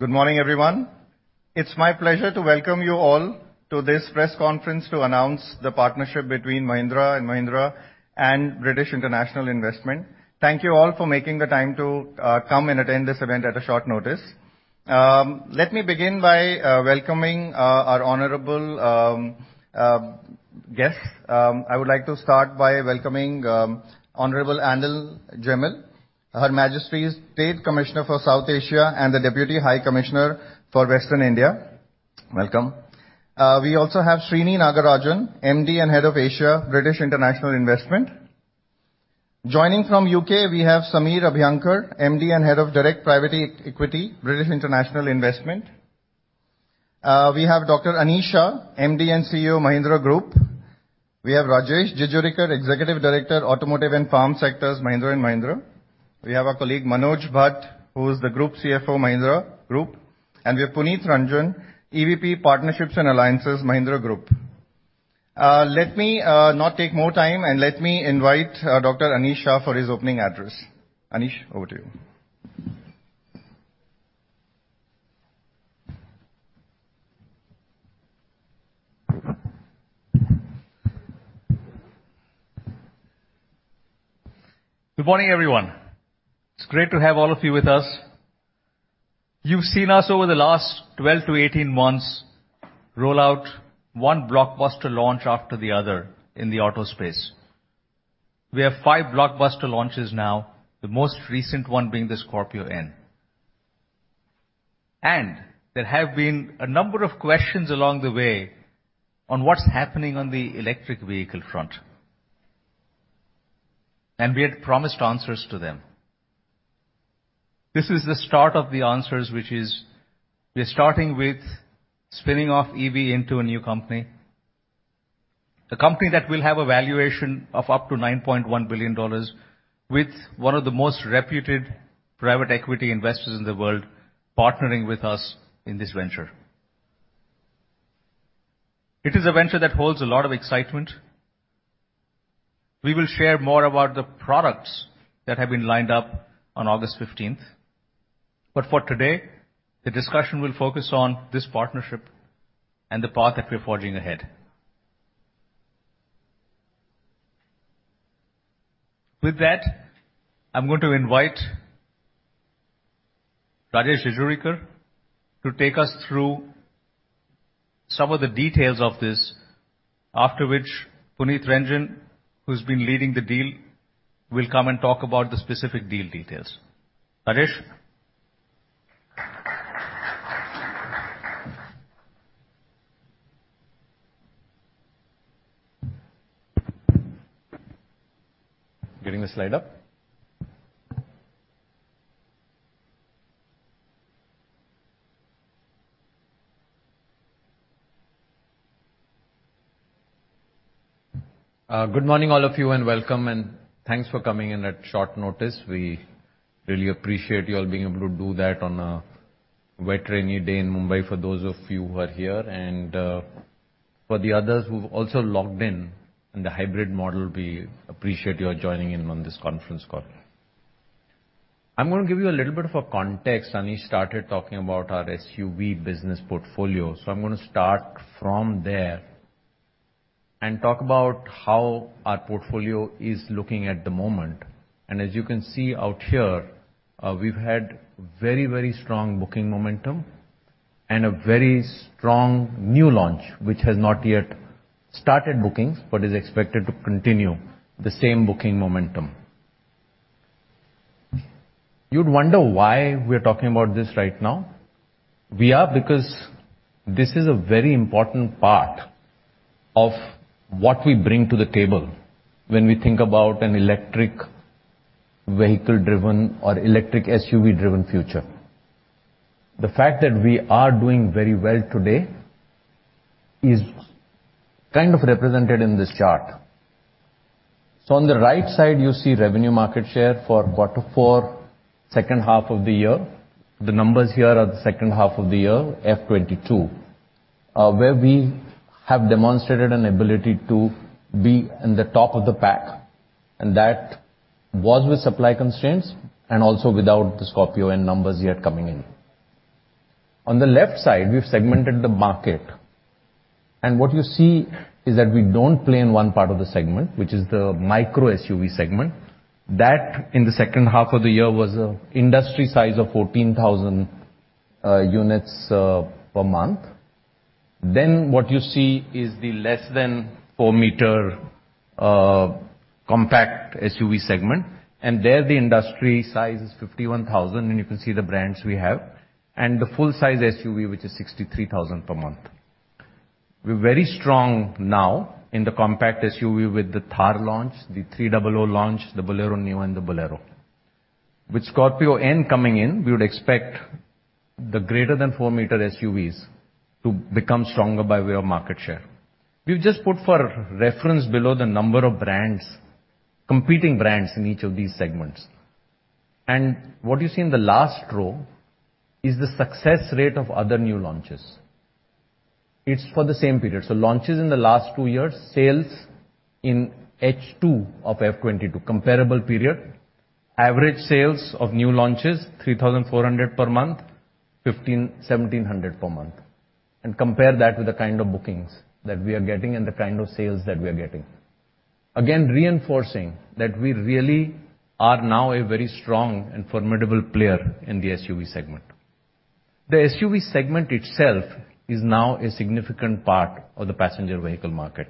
Good morning, everyone. It's my pleasure to welcome you all to this press conference to announce the partnership between Mahindra & Mahindra and British International Investment. Thank you all for making the time to come and attend this event at a short notice. Let me begin by welcoming our honorable guests. I would like to start by welcoming Honorable Alan Gemmell, Her Majesty's Trade Commissioner for South Asia and the Deputy High Commissioner for Western India. Welcome. We also have Srini Nagarajan, MD and Head of Asia, British International Investment. Joining from U.K., we have Samir Abhyankar, MD and Head of Direct Private Equity, British International Investment. We have Dr. Anish Shah, MD and CEO, Mahindra Group. We have Rajesh Jejurikar, Executive Director, Automotive and Farm Sector, Mahindra & Mahindra. We have our colleague, Manoj Bhat, who is the Group CFO, Mahindra Group, and we have Puneet Renjhen, EVP, Partnerships and Alliances, Mahindra Group. Let me not take more time, and let me invite Dr. Anish Shah for his opening address. Anish, over to you. Good morning, everyone. It's great to have all of you with us. You've seen us over the last 12-18 months roll out one blockbuster launch after the other in the auto space. We have five blockbuster launches now, the most recent one being the Scorpio-N. There have been a number of questions along the way on what's happening on the electric vehicle front. We had promised answers to them. This is the start of the answers, which is we're starting with spinning off EV into a new company, a company that will have a valuation of up to $9.1 billion with one of the most reputed private equity investors in the world partnering with us in this venture. It is a venture that holds a lot of excitement. We will share more about the products that have been lined up on August 15th. For today, the discussion will focus on this partnership and the path that we're forging ahead. With that, I'm going to invite Rajesh Jejurikar to take us through some of the details of this. After which Puneet Renjhen, who's been leading the deal, will come and talk about the specific deal details. Rajesh? Getting the slide up. Good morning, all of you, and welcome, and thanks for coming in at short notice. We really appreciate you all being able to do that on a wet, rainy day in Mumbai for those of you who are here. For the others who've also logged in the hybrid model, we appreciate your joining in on this conference call. I'm gonna give you a little bit of a context. Anish started talking about our SUV business portfolio, so I'm gonna start from there and talk about how our portfolio is looking at the moment. As you can see out here, we've had very, very strong booking momentum and a very strong new launch, which has not yet started bookings but is expected to continue the same booking momentum. You'd wonder why we're talking about this right now. We are because this is a very important part of what we bring to the table when we think about an electric vehicle-driven or electric SUV-driven future. The fact that we are doing very well today is kind of represented in this chart. On the right side, you see revenue market share for quarter four, second half of the year. The numbers here are the second half of the year, FY 2022, where we have demonstrated an ability to be in the top of the pack, and that was with supply constraints and also without the Scorpio-N numbers yet coming in. On the left side, we've segmented the market, and what you see is that we don't play in one part of the segment, which is the micro SUV segment. That, in the second half of the year, was an industry size of 14,000 units per month. What you see is the less than four-meter compact SUV segment, and there the industry size is 51,000, and you can see the brands we have. The full size SUV, which is 63,000 per month. We're very strong now in the compact SUV with the Thar launch, the XUV300 launch, the Bolero Neo and the Bolero. With Scorpio-N coming in, we would expect the greater than 4-m SUVs to become stronger by way of market share. We've just put for reference below the number of brands, competing brands in each of these segments. What you see in the last row is the success rate of other new launches. It's for the same period. Launches in the last two years, sales in H2 of FY 2022, comparable period. Average sales of new launches, 3,400 per month, 1,500-1,700 per month. Compare that with the kind of bookings that we are getting and the kind of sales that we are getting. Again, reinforcing that we really are now a very strong and formidable player in the SUV segment. The SUV segment itself is now a significant part of the passenger vehicle market.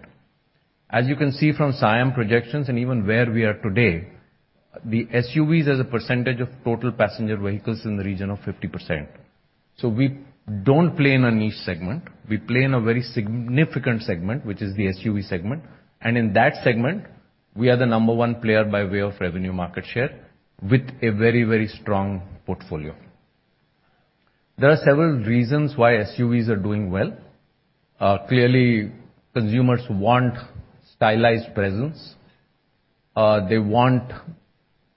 As you can see from SIAM projections and even where we are today, the SUVs as a percentage of total passenger vehicles in the region of 50%. We don't play in a niche segment. We play in a very significant segment, which is the SUV segment. In that segment, we are the number one player by way of revenue market share with a very, very strong portfolio. There are several reasons why SUVs are doing well. Clearly, consumers want stylized presence. They want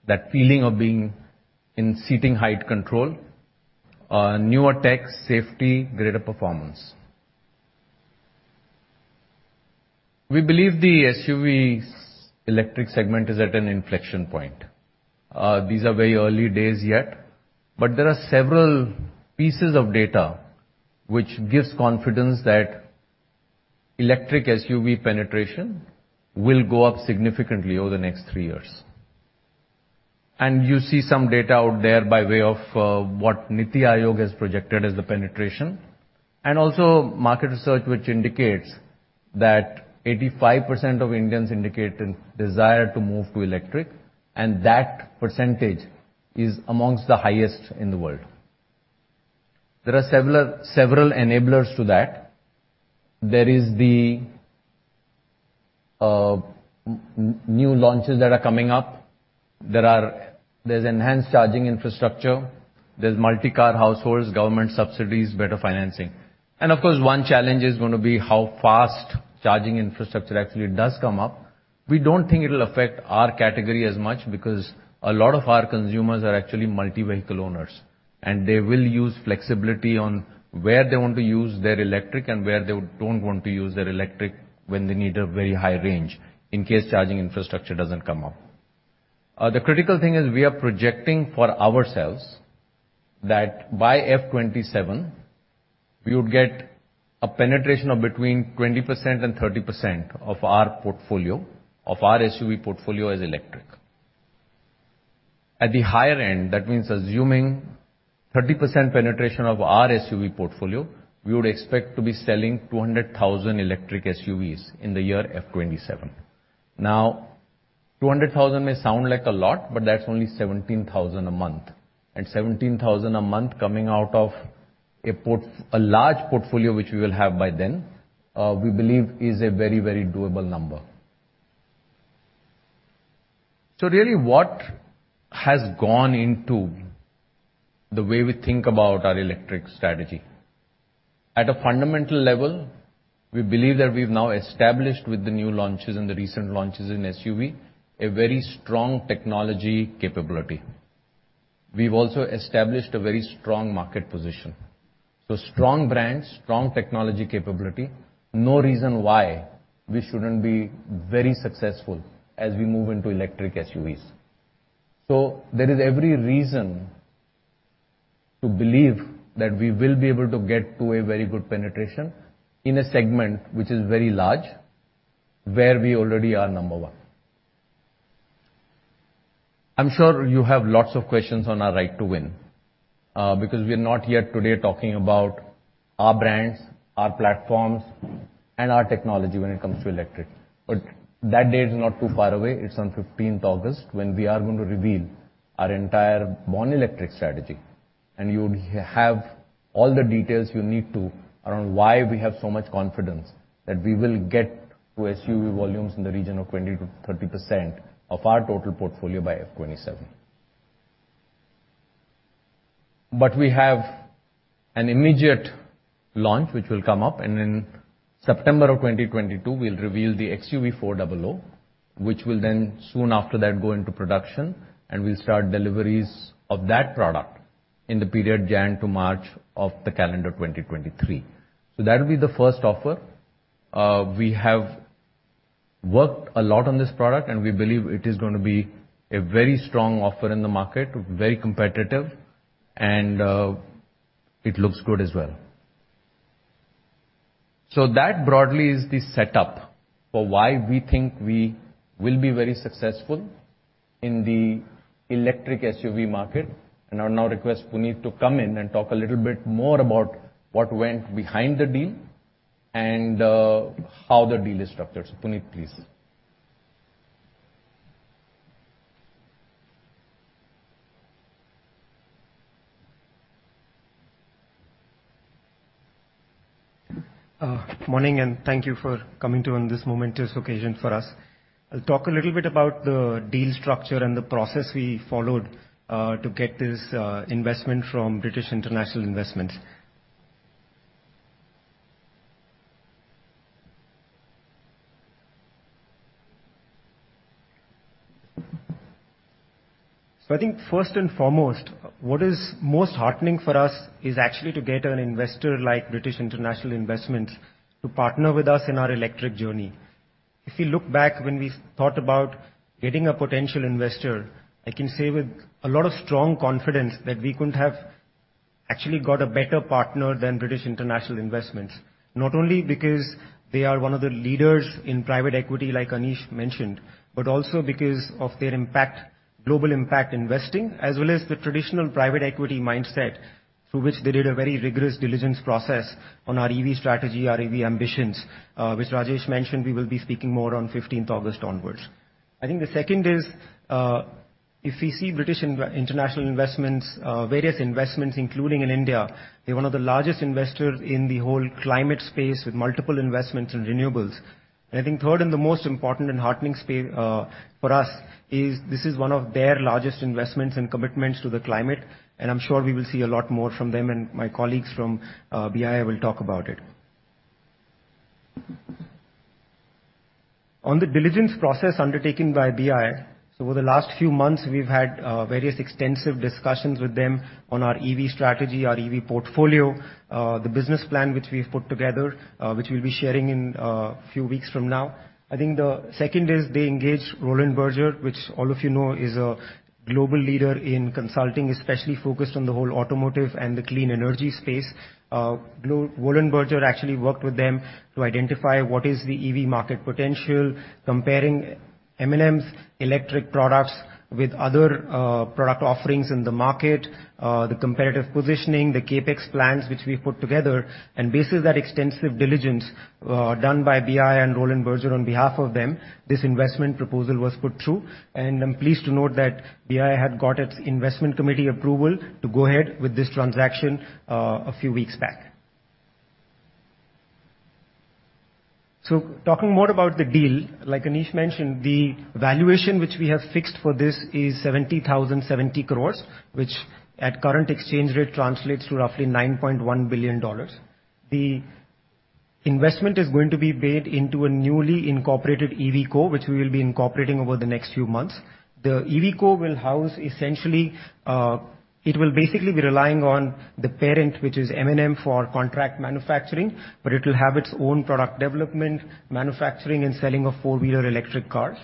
that feeling of being in seating height control, newer tech, safety, greater performance. We believe the SUVs electric segment is at an inflection point. These are very early days yet, but there are several pieces of data which gives confidence that electric SUV penetration will go up significantly over the next three years. You see some data out there by way of what NITI Aayog has projected as the penetration, and also market research, which indicates that 85% of Indians indicate a desire to move to electric, and that percentage is amongst the highest in the world. There are several enablers to that. There are the new launches that are coming up. There's enhanced charging infrastructure, there's multi-car households, government subsidies, better financing. Of course, one challenge is gonna be how fast charging infrastructure actually does come up. We don't think it'll affect our category as much because a lot of our consumers are actually multi-vehicle owners, and they will use flexibility on where they want to use their electric and where they don't want to use their electric when they need a very high range in case charging infrastructure doesn't come up. The critical thing is we are projecting for ourselves that by FY 2027, we would get a penetration of between 20% and 30% of our portfolio, of our SUV portfolio as electric. At the higher end, that means assuming 30% penetration of our SUV portfolio, we would expect to be selling 200,000 electric SUVs in the year FY 2027. Now, 200,000 may sound like a lot, but that's only 17,000 a month. Seventeen thousand a month coming out of a large portfolio, which we will have by then, we believe is a very, very doable number. Really what has gone into the way we think about our electric strategy. At a fundamental level, we believe that we've now established with the new launches and the recent launches in SUV, a very strong technology capability. We've also established a very strong market position. Strong brand, strong technology capability, no reason why we shouldn't be very successful as we move into electric SUVs. There is every reason to believe that we will be able to get to a very good penetration in a segment which is very large, where we already are number one. I'm sure you have lots of questions on our right to win, because we are not yet today talking about our brands, our platforms, and our technology when it comes to electric. That day is not too far away. It's on 15th August, when we are gonna reveal our entire born electric strategy, and you'll have all the details you need to around why we have so much confidence that we will get to SUV volumes in the region of 20%-30% of our total portfolio by FY 2027. We have an immediate launch which will come up, and in September 2022, we'll reveal the XUV400, which will then soon after that go into production, and we'll start deliveries of that product in the period January to March of the calendar 2023. That'll be the first offer. We have worked a lot on this product, and we believe it is gonna be a very strong offer in the market, very competitive, and it looks good as well. That broadly is the setup for why we think we will be very successful in the electric SUV market. I'll now request Puneet to come in and talk a little bit more about what went behind the deal and how the deal is structured. Puneet, please. Morning, and thank you for coming to on this momentous occasion for us. I'll talk a little bit about the deal structure and the process we followed to get this investment from British International Investment. I think first and foremost, what is most heartening for us is actually to get an investor like British International Investment to partner with us in our electric journey. If we look back when we thought about getting a potential investor, I can say with a lot of strong confidence that we couldn't have actually got a better partner than British International Investment, not only because they are one of the leaders in private equity, like Anish mentioned, but also because of their impact, global impact investing, as well as the traditional private equity mindset through which they did a very rigorous diligence process on our EV strategy, our EV ambitions, which Rajesh mentioned. We will be speaking more on 15th August onwards. I think the second is, if we see British International Investment, various investments, including in India, they're one of the largest investors in the whole climate space with multiple investments in renewables. I think third and the most important and heartening space for us is this is one of their largest investments and commitments to the climate, and I'm sure we will see a lot more from them and my colleagues from BII will talk about it. On the diligence process undertaken by BII, so over the last few months, we've had various extensive discussions with them on our EV strategy, our EV portfolio, the business plan which we've put together, which we'll be sharing in a few weeks from now. I think the second is they engaged Roland Berger, which all of you know is a global leader in consulting, especially focused on the whole automotive and the clean energy space. Roland Berger actually worked with them to identify what is the EV market potential, comparing M&M's electric products with other product offerings in the market, the competitive positioning, the CapEx plans which we put together. Basis that extensive diligence done by BII and Roland Berger on behalf of them, this investment proposal was put through, and I'm pleased to note that BII had got its investment committee approval to go ahead with this transaction, a few weeks back. Talking more about the deal, like Anish mentioned, the valuation which we have fixed for this is 70,070 crore, which at current exchange rate translates to roughly $9.1 billion. The investment is going to be made into a newly incorporated EVCo, which we will be incorporating over the next few months. The EVCo will house essentially, it will basically be relying on the parent, which is M&M for contract manufacturing, but it will have its own product development, manufacturing, and selling of four-wheeler electric cars.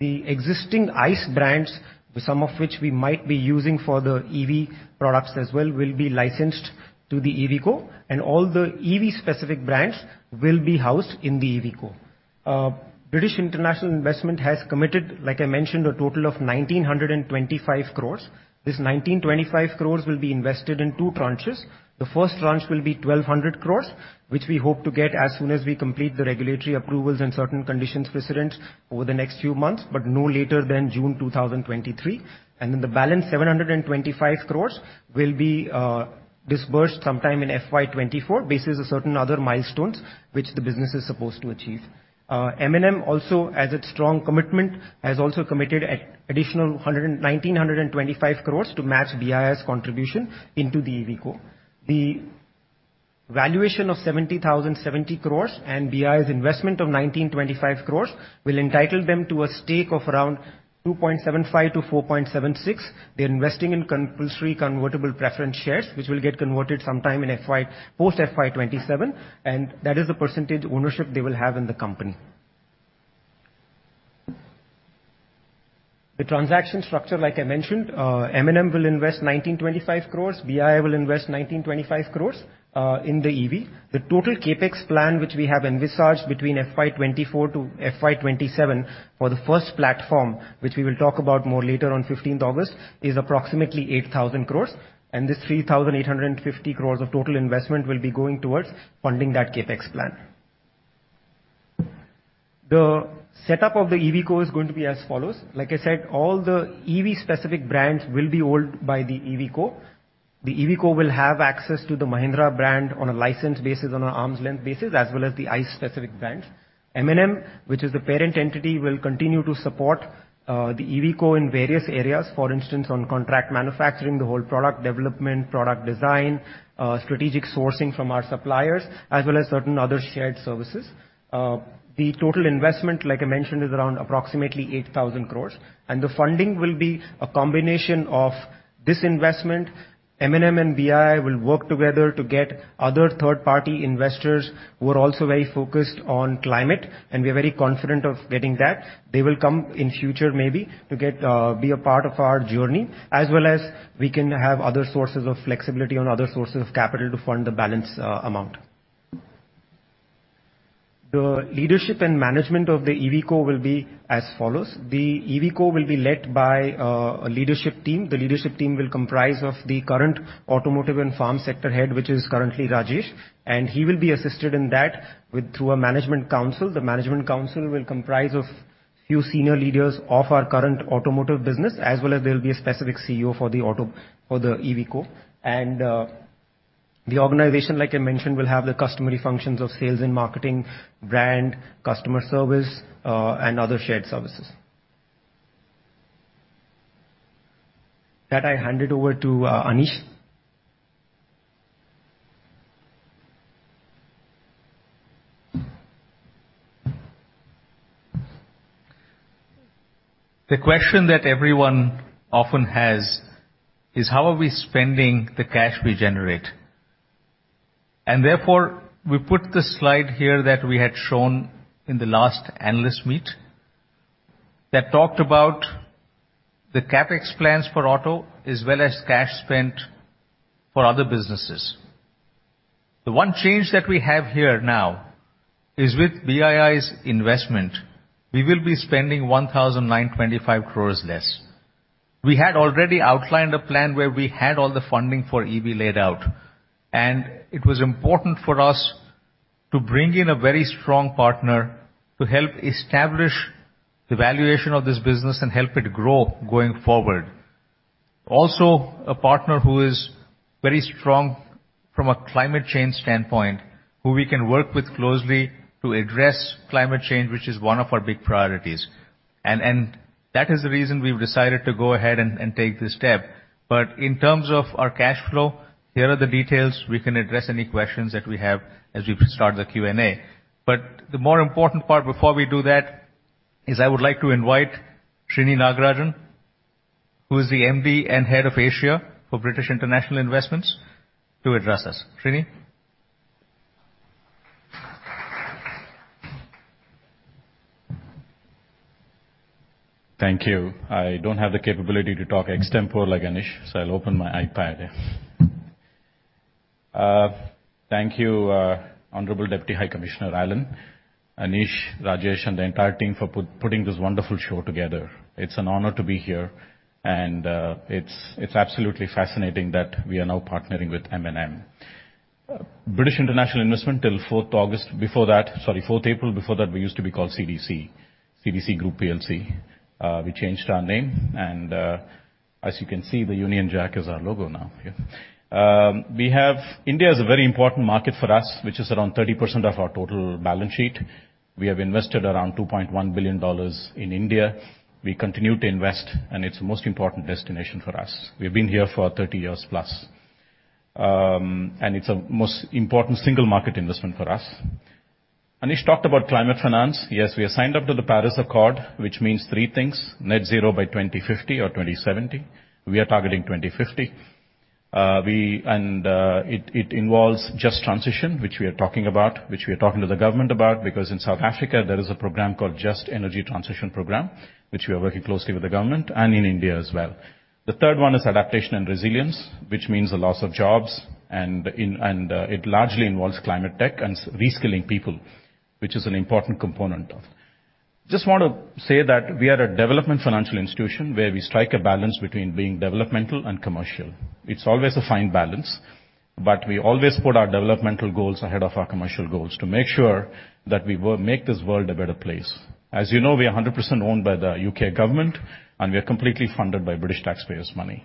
The existing ICE brands, some of which we might be using for the EV products as well, will be licensed to the EVCo and all the EV specific brands will be housed in the EVCo. British International Investment has committed, like I mentioned, a total of 1,925 crore. This 1,925 crore will be invested in two tranches. The first tranche will be 1,200 crore, which we hope to get as soon as we complete the regulatory approvals and certain conditions precedent over the next few months, but no later than June 2023. The balance 725 crore will be disbursed sometime in FY 2024 basis of certain other milestones which the business is supposed to achieve. M&M also, as its strong commitment, has also committed additional 1,925 crore to match BII's contribution into the EVCo. The valuation of 70,070 crore and BII's investment of 1,925 crore will entitle them to a stake of around 2.75%-4.76%. They're investing in compulsory convertible preference shares which will get converted sometime post FY 2027, and that is the percentage ownership they will have in the company. The transaction structure, like I mentioned, M&M will invest 1,925 crore. BII will invest 1,925 crore in the EV. The total CapEx plan which we have envisaged between FY 2024-FY 2027 for the first platform, which we will talk about more later on 15th August, is approximately 8,000 crore. This three thousand eight hundred and fifty crore of total investment will be going towards funding that CapEx plan. The setup of the EVCo is going to be as follows. Like I said, all the EV specific brands will be owned by the EVCo. The EVCo will have access to the Mahindra brand on a license basis on an arm's length basis, as well as the ICE specific brands. M&M, which is the parent entity, will continue to support the EVCo in various areas, for instance, on contract manufacturing, the whole product development, product design, strategic sourcing from our suppliers, as well as certain other shared services. The total investment, like I mentioned, is around approximately 8,000 crore, and the funding will be a combination of this investment. M&M and BII will work together to get other third-party investors who are also very focused on climate, and we are very confident of getting that. They will come in future, maybe, to get, be a part of our journey, as well as we can have other sources of flexibility on other sources of capital to fund the balance amount. The leadership and management of the EVCo will be as follows. The EVCo will be led by a leadership team. The leadership team will comprise of the current Automotive and Farm Sector Head, which is currently Rajesh, and he will be assisted in that through a Management Council. The Management Council will comprise of few senior leaders of our current automotive business, as well as there'll be a specific CEO for the EVCo. The organization, like I mentioned, will have the customary functions of sales and marketing, brand, customer service, and other shared services. That I hand it over to Anish. The question that everyone often has is how are we spending the cash we generate? Therefore, we put the slide here that we had shown in the last analyst meet that talked about the CapEx plans for auto as well as cash spent for other businesses. The one change that we have here now is with BII's investment, we will be spending 1,925 crore less. We had already outlined a plan where we had all the funding for EV laid out, and it was important for us to bring in a very strong partner to help establish the valuation of this business and help it grow going forward. Also, a partner who is very strong from a climate change standpoint, who we can work with closely to address climate change, which is one of our big priorities. That is the reason we've decided to go ahead and take this step. In terms of our cash flow, here are the details. We can address any questions that we have as we start the Q&A. The more important part before we do that is I would like to invite Srini Nagarajan, who is the MD and Head of Asia for British International Investment to address us. Srini. Thank you. I don't have the capability to talk extempore like Anish, so I'll open my iPad. Thank you, Honorable Deputy High Commissioner Alan, Anish, Rajesh, and the entire team for putting this wonderful show together. It's an honor to be here, and it's absolutely fascinating that we are now partnering with M&M. British International Investment, till 4th April, before that, we used to be called CDC Group PLC. We changed our name, and as you can see, the Union Jack is our logo now. India is a very important market for us, which is around 30% of our total balance sheet. We have invested around $2.1 billion in India. We continue to invest, and it's the most important destination for us. We've been here for 30 years+. It's a most important single market investment for us. Anish talked about climate finance. Yes, we are signed up to the Paris Accord, which means three things. Net zero by 2050 or 2070. We are targeting 2050. It involves just transition, which we are talking about, which we are talking to the government about, because in South Africa, there is a program called Just Energy Transition Program, which we are working closely with the government and in India as well. The third one is adaptation and resilience, which means the loss of jobs. It largely involves climate tech and reskilling people, which is an important component of. Just want to say that we are a development financial institution where we strike a balance between being developmental and commercial. It's always a fine balance, but we always put our developmental goals ahead of our commercial goals to make sure that we will make this world a better place. As you know, we are 100% owned by the U.K. government, and we are completely funded by British taxpayers' money.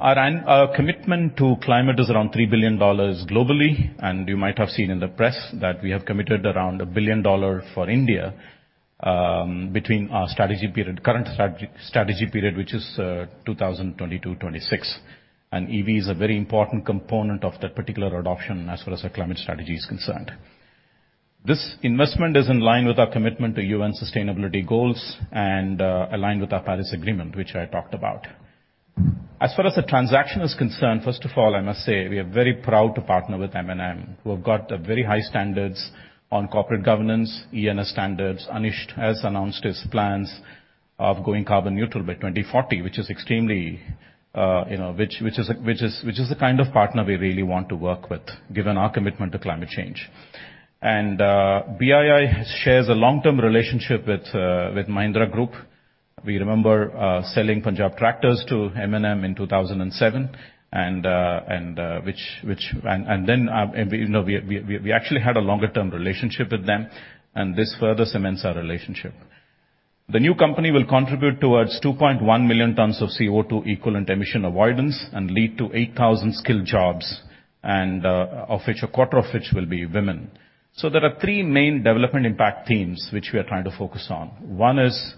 Our commitment to climate is around $3 billion globally, and you might have seen in the press that we have committed around $1 billion for India, between our strategy period, current strategy period, which is 2022-2026. EV is a very important component of that particular adoption as far as our climate strategy is concerned. This investment is in line with our commitment to UN sustainability goals and aligned with our Paris Agreement, which I talked about. As far as the transaction is concerned, first of all, I must say we are very proud to partner with M&M, who have got very high standards on corporate governance, E&S standards. Anish has announced his plans of going carbon neutral by 2040, which is extremely the kind of partner we really want to work with, given our commitment to climate change. BII shares a long-term relationship with Mahindra Group. We remember selling Punjab Tractors to M&M in 2007, and then actually had a longer-term relationship with them, and this further cements our relationship. The new company will contribute towards 2.1 million tons of CO₂ equivalent emission avoidance and lead to 8,000 skilled jobs, of which a quarter will be women. There are three main development impact themes which we are trying to focus on. One is.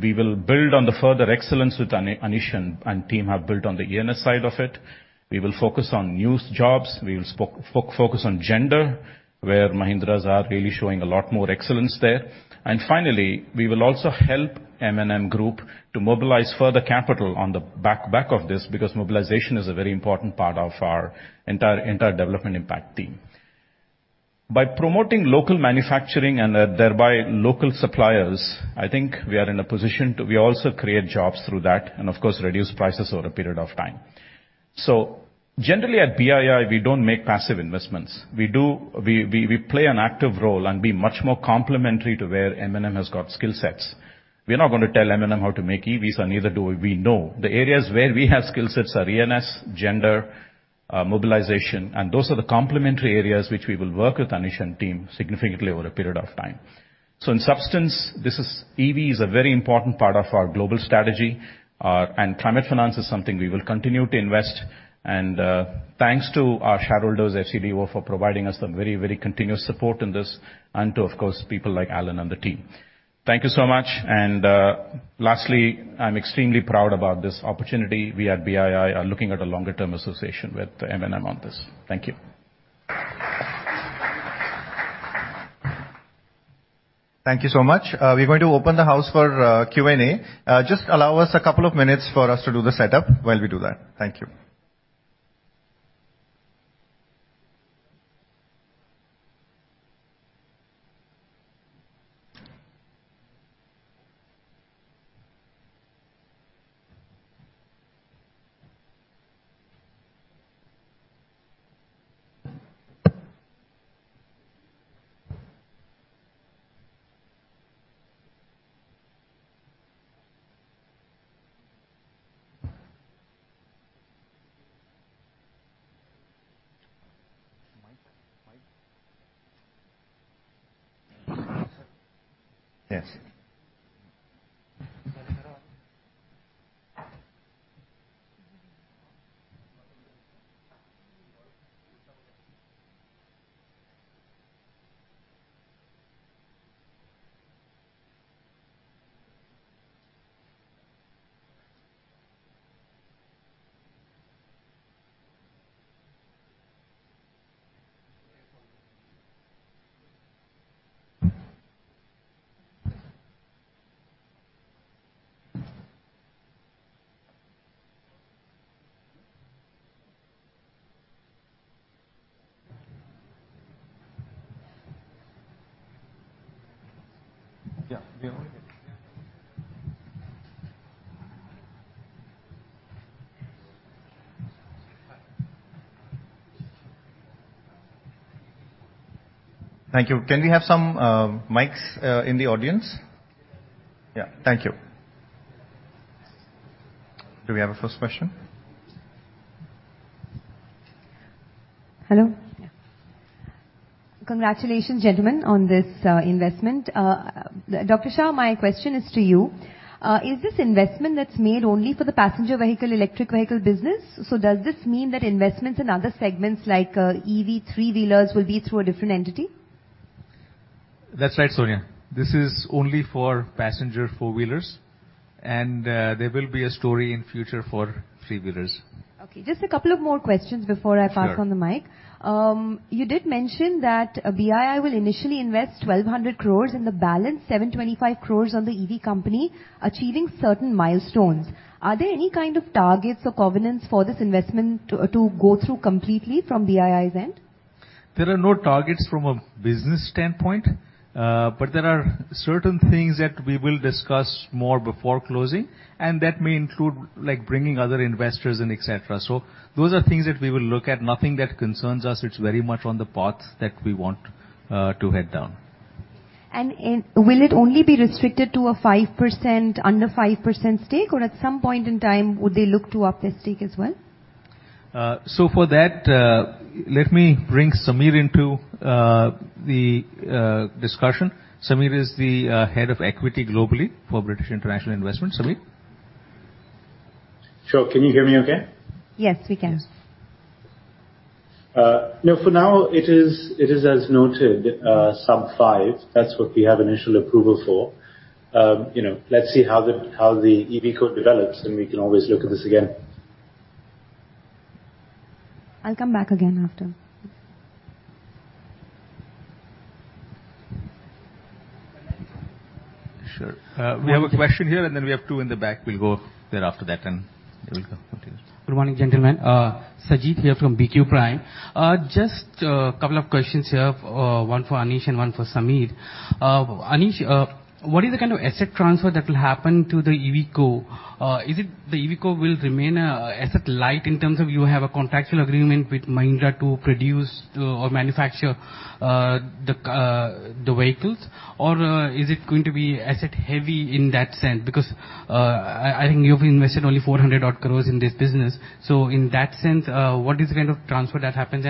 We will build on the further excellence which Anish and team have built on the E&S side of it. We will focus on new jobs. We will focus on gender, where Mahindra are really showing a lot more excellence there. Finally, we will also help M&M Group to mobilize further capital on the back of this, because mobilization is a very important part of our entire development impact team. By promoting local manufacturing and thereby local suppliers, I think we are in a position to. We also create jobs through that and of course, reduce prices over a period of time. Generally, at BII, we don't make passive investments. We play an active role and be much more complementary to where M&M has got skill sets. We're not gonna tell M&M how to make EVs, and neither do we know. The areas where we have skill sets are E&S, gender, mobilization, and those are the complementary areas which we will work with Anish and team significantly over a period of time. EV is a very important part of our global strategy, and climate finance is something we will continue to invest. Thanks to our shareholders, FCDO, for providing us a very continuous support in this and to, of course, people like Alan and the team. Thank you so much. Lastly, I'm extremely proud about this opportunity. We at BII are looking at a longer-term association with M&M on this. Thank you. Thank you so much. We're going to open the floor for Q&A. Just allow us a couple of minutes for us to do the setup while we do that. Thank you. Mic, mic. Yes. Thank you. Can we have some mics in the audience? Yeah. Thank you. Do we have a first question? Hello. Congratulations, gentlemen, on this investment. Dr. Shah, my question is to you. Is this investment that's made only for the passenger vehicle, electric vehicle business? Does this mean that investments in other segments like EV three-wheelers will be through a different entity? That's right, Sonia. This is only for passenger four-wheelers, and there will be a story in future for three-wheelers. Okay. Just a couple of more questions before I pass on the mic. Sure. You did mention that BII will initially invest 1,200 crore, and the balance 725 crore on the EV company achieving certain milestones. Are there any kind of targets or covenants for this investment to go through completely from BII's end? There are no targets from a business standpoint, but there are certain things that we will discuss more before closing, and that may include, like, bringing other investors in, et cetera. Those are things that we will look at. Nothing that concerns us. It's very much on the path that we want to head down. Will it only be restricted to a 5%, under 5% stake, or at some point in time, would they look to up their stake as well? For that, let me bring Samir into the discussion. Samir is the head of equity globally for British International Investment. Samir? Sure. Can you hear me okay? Yes, we can. No, for now, it is, as noted, sub-5. That's what we have initial approval for. You know, let's see how the EVCo develops, and we can always look at this again. I'll come back again after. Sure. We have a question here, and then we have two in the back. We'll go there after that, and then we'll come up to you. Good morning, gentlemen. Sajeet here from BQ Prime. Just a couple of questions here, one for Anish and one for Samir. Anish, what is the kind of asset transfer that will happen to the EVCo? Is it the EVCo will remain asset-light in terms of you have a contractual agreement with Mahindra to produce or manufacture the vehicles? Or is it going to be asset heavy in that sense? Because I think you've invested only 400-odd crore in this business. So in that sense, what is the kind of transfer that happens?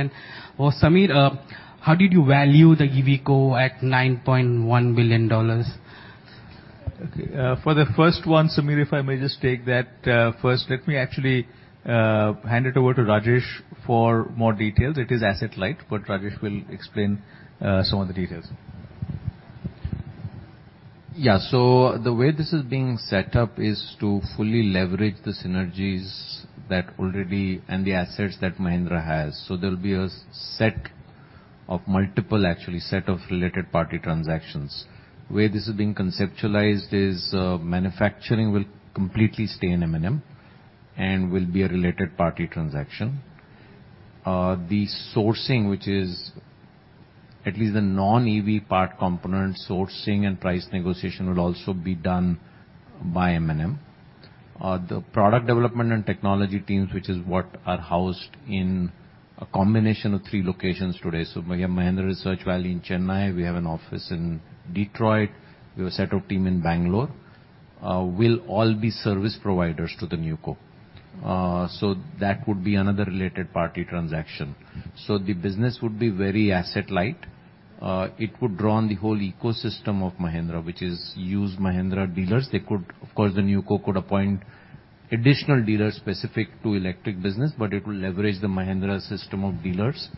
For Samir, how did you value the EVCo at $9.1 billion? Okay. For the first one, Samir, if I may just take that, first. Let me actually hand it over to Rajesh for more details. It is asset-light, but Rajesh will explain some of the details. Yeah. The way this is being set up is to fully leverage the synergies that already and the assets that Mahindra has. There'll be a set of multiple, actually, set of related party transactions. The way this is being conceptualized is, manufacturing will completely stay in M&M and will be a related party transaction. The sourcing, which is at least the non-EV part component sourcing and price negotiation will also be done by M&M. The product development and technology teams, which is what are housed in a combination of three locations today. We have Mahindra Research Valley in Chennai, we have an office in Detroit, we have a set of team in Bangalore, will all be service providers to the NewCo. That would be another related party transaction. The business would be very asset-light. It would draw on the whole ecosystem of Mahindra, which includes Mahindra dealers. The new NewCo could appoint additional dealers specific to electric business, but it will leverage the Mahindra system of dealers,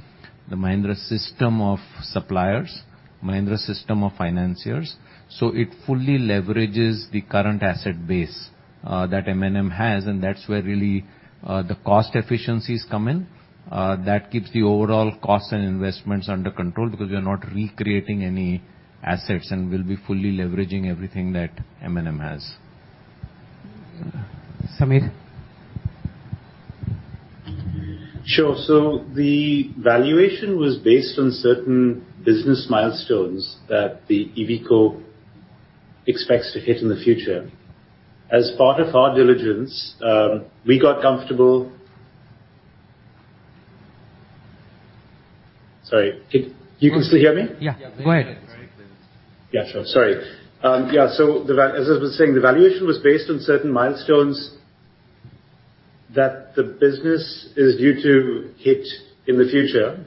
the Mahindra system of suppliers, Mahindra system of financiers. It fully leverages the current asset base that M&M has, and that's where really the cost efficiencies come in. That keeps the overall cost and investments under control because we are not recreating any assets, and we'll be fully leveraging everything that M&M has. Samir? Sure. The valuation was based on certain business milestones that the EVCo expects to hit in the future. As part of our diligence, we got comfortable. You can still hear me? Yeah. Go ahead. Yeah, sure. Sorry. As I was saying, the valuation was based on certain milestones that the business is due to hit in the future.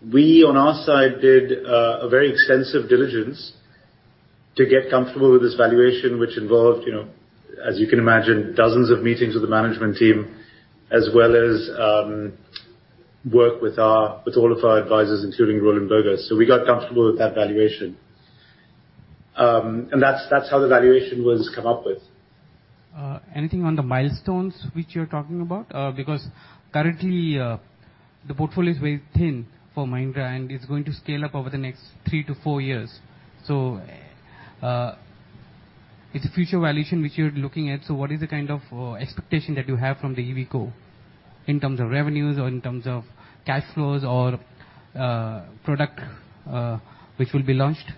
We, on our side, did a very extensive diligence to get comfortable with this valuation, which involved, you know, as you can imagine, dozens of meetings with the management team as well as work with all of our advisors, including Roland Berger. We got comfortable with that valuation. That's how the valuation was come up with. Anything on the milestones which you're talking about? Because currently, the portfolio is very thin for Mahindra, and it's going to scale up over the next three-four years. It's a future valuation which you're looking at, so what is the kind of expectation that you have from the EVCo in terms of revenues or in terms of cash flows or product which will be launched?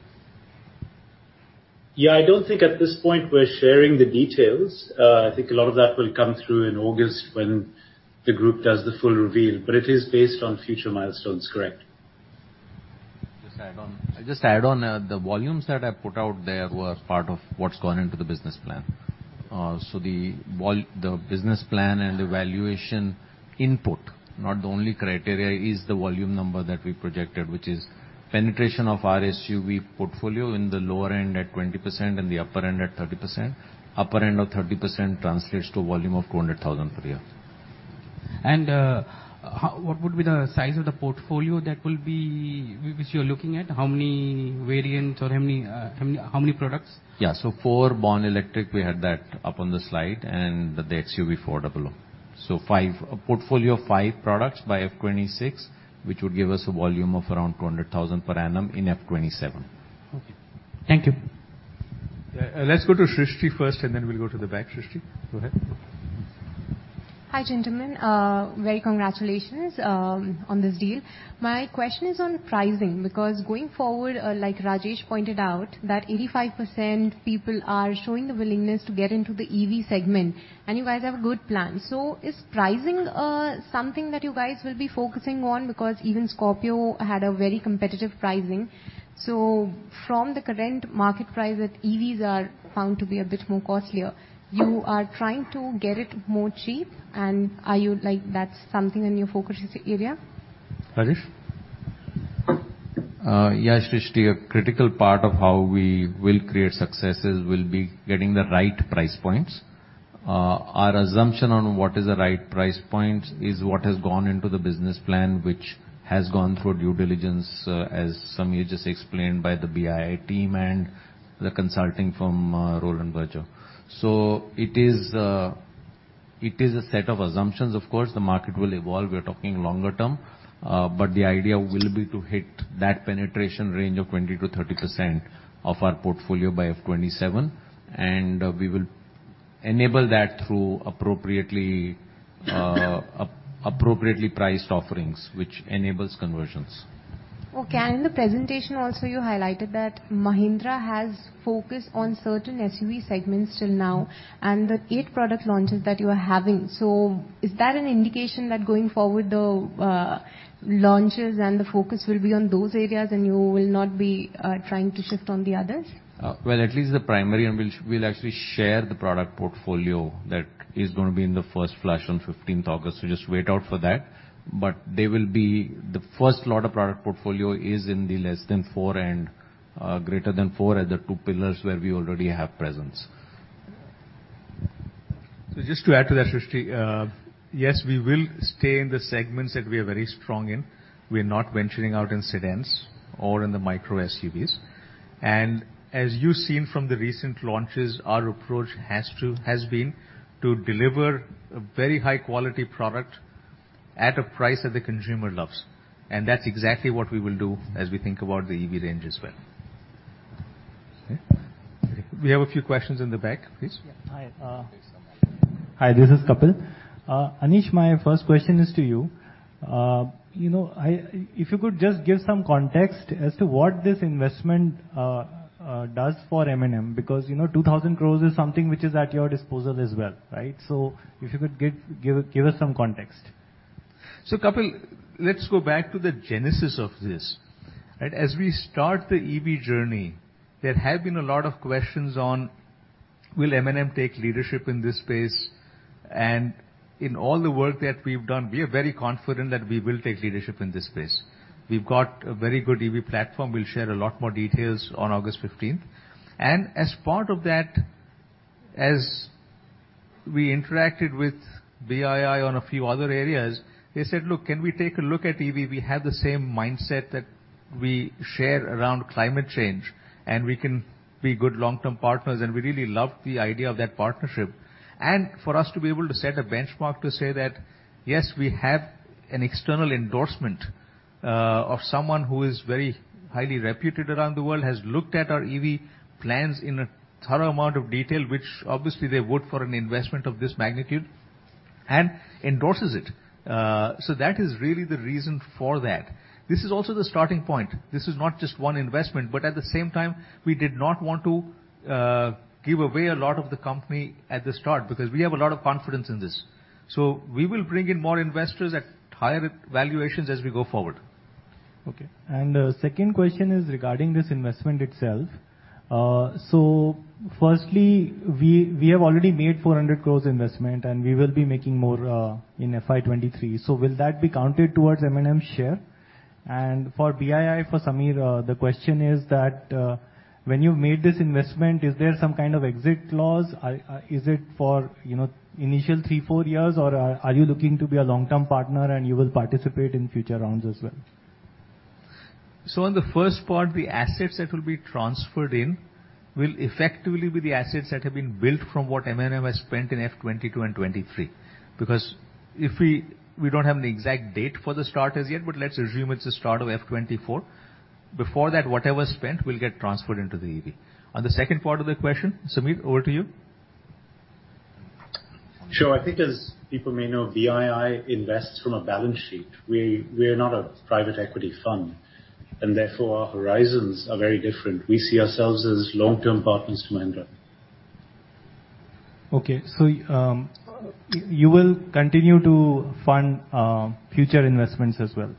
Yeah, I don't think at this point we're sharing the details. I think a lot of that will come through in August when the group does the full reveal, but it is based on future milestones, correct? I'll just add on. The volumes that I put out there were part of what's gone into the business plan. The business plan and the valuation input, not the only criteria, is the volume number that we projected, which is penetration of our SUV portfolio in the lower end at 20% and the upper end at 30%. Upper end of 30% translates to volume of 200,000 per year. What would be the size of the portfolio which you are looking at? How many variants or how many products? Yeah. Four born electric, we had that up on the slide, and the XUV400. Five. A portfolio of five products by FY 2026, which would give us a volume of around 200,000 per annum in FY 2027. Okay. Thank you. Let's go to Shrishti first, and then we'll go to the back. Shrishti, go ahead. Hi, gentlemen. Very congratulations on this deal. My question is on pricing, because going forward, like Rajesh pointed out, that 85% people are showing the willingness to get into the EV segment, and you guys have a good plan. Is pricing something that you guys will be focusing on? Because even Scorpio had a very competitive pricing. From the current market price that EVs are found to be a bit more costlier, you are trying to get it more cheap, and are you, like, that's something in your focus area? Rajesh? Yeah, Shrishti, a critical part of how we will create success is we'll be getting the right price points. Our assumption on what is the right price point is what has gone into the business plan, which has gone through due diligence, as Samir just explained, by the BII team and the consulting from, Roland Berger. It is a set of assumptions. Of course, the market will evolve. We're talking longer term. The idea will be to hit that penetration range of 20%-30% of our portfolio by FY 2027, and we will enable that through appropriately priced offerings, which enables conversions. Okay. In the presentation also, you highlighted that Mahindra has focused on certain SUV segments till now, and the eight product launches that you are having. Is that an indication that going forward, the launches and the focus will be on those areas and you will not be trying to shift on the others? Well, at least the primary, and we'll actually share the product portfolio that is gonna be in the first flash on 15th August. Just watch out for that. They will be the first lot of product portfolio in the less than four and greater than four, the two pillars where we already have presence. Just to add to that, Shrishti, yes, we will stay in the segments that we are very strong in. We're not venturing out in sedans or in the micro SUVs. As you've seen from the recent launches, our approach has been to deliver a very high quality product at a price that the consumer loves. That's exactly what we will do as we think about the EV range as well. Okay. We have a few questions in the back, please. Hi. Thanks so much. Hi, this is Kapil. Anish, my first question is to you. You know, I, if you could just give some context as to what this investment does for M&M, because, you know, 2,000 crore is something which is at your disposal as well, right? If you could give us some context. Kapil, let's go back to the genesis of this, right? As we start the EV journey, there have been a lot of questions on will M&M take leadership in this space? In all the work that we've done, we are very confident that we will take leadership in this space. We've got a very good EV platform. We'll share a lot more details on August 15th. As part of that, as we interacted with BII on a few other areas, they said, "Look, can we take a look at EV? We have the same mindset that we share around climate change, and we can be good long-term partners, and we really love the idea of that partnership. For us to be able to set a benchmark to say that, yes, we have an external endorsement of someone who is very highly reputed around the world, has looked at our EV plans in a thorough amount of detail, which obviously they would for an investment of this magnitude, and endorses it. That is really the reason for that. This is also the starting point. This is not just one investment, but at the same time, we did not want to give away a lot of the company at the start because we have a lot of confidence in this. We will bring in more investors at higher valuations as we go forward. Okay. The second question is regarding this investment itself. Firstly, we have already made 400 crore investment, and we will be making more in FY 2023. Will that be counted towards M&M share? For BII, for Samir, the question is that, when you made this investment, is there some kind of exit clause? Is it for, you know, initial three, four years, or are you looking to be a long-term partner and you will participate in future rounds as well? On the first part, the assets that will be transferred in will effectively be the assets that have been built from what M&M has spent in FY 2022 and FY 2023. Because if we don't have an exact date for the start as yet, but let's assume it's the start of FY 2024. Before that, whatever's spent will get transferred into the EV. On the second part of the question, Samir, over to you. Sure. I think as people may know, BII invests from a balance sheet. We, we're not a private equity fund, and therefore, our horizons are very different. We see ourselves as long-term partners to Mahindra. Okay. You will continue to fund future investments as well?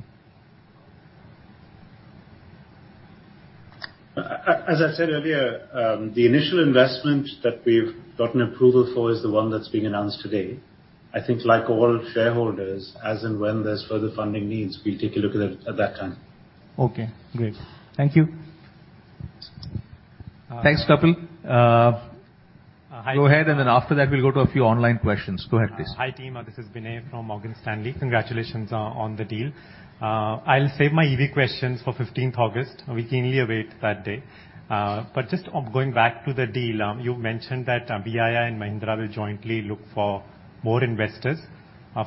I said earlier, the initial investment that we've gotten approval for is the one that's being announced today. I think like all shareholders, as and when there's further funding needs, we'll take a look at it at that time. Okay, great. Thank you. Thanks, Kapil. Go ahead, and then after that we'll go to a few online questions. Go ahead, please. Hi, team. This is Binay from Morgan Stanley. Congratulations on the deal. I'll save my EV questions for 15th August. We keenly await that day. But just on going back to the deal, you mentioned that BII and Mahindra will jointly look for more investors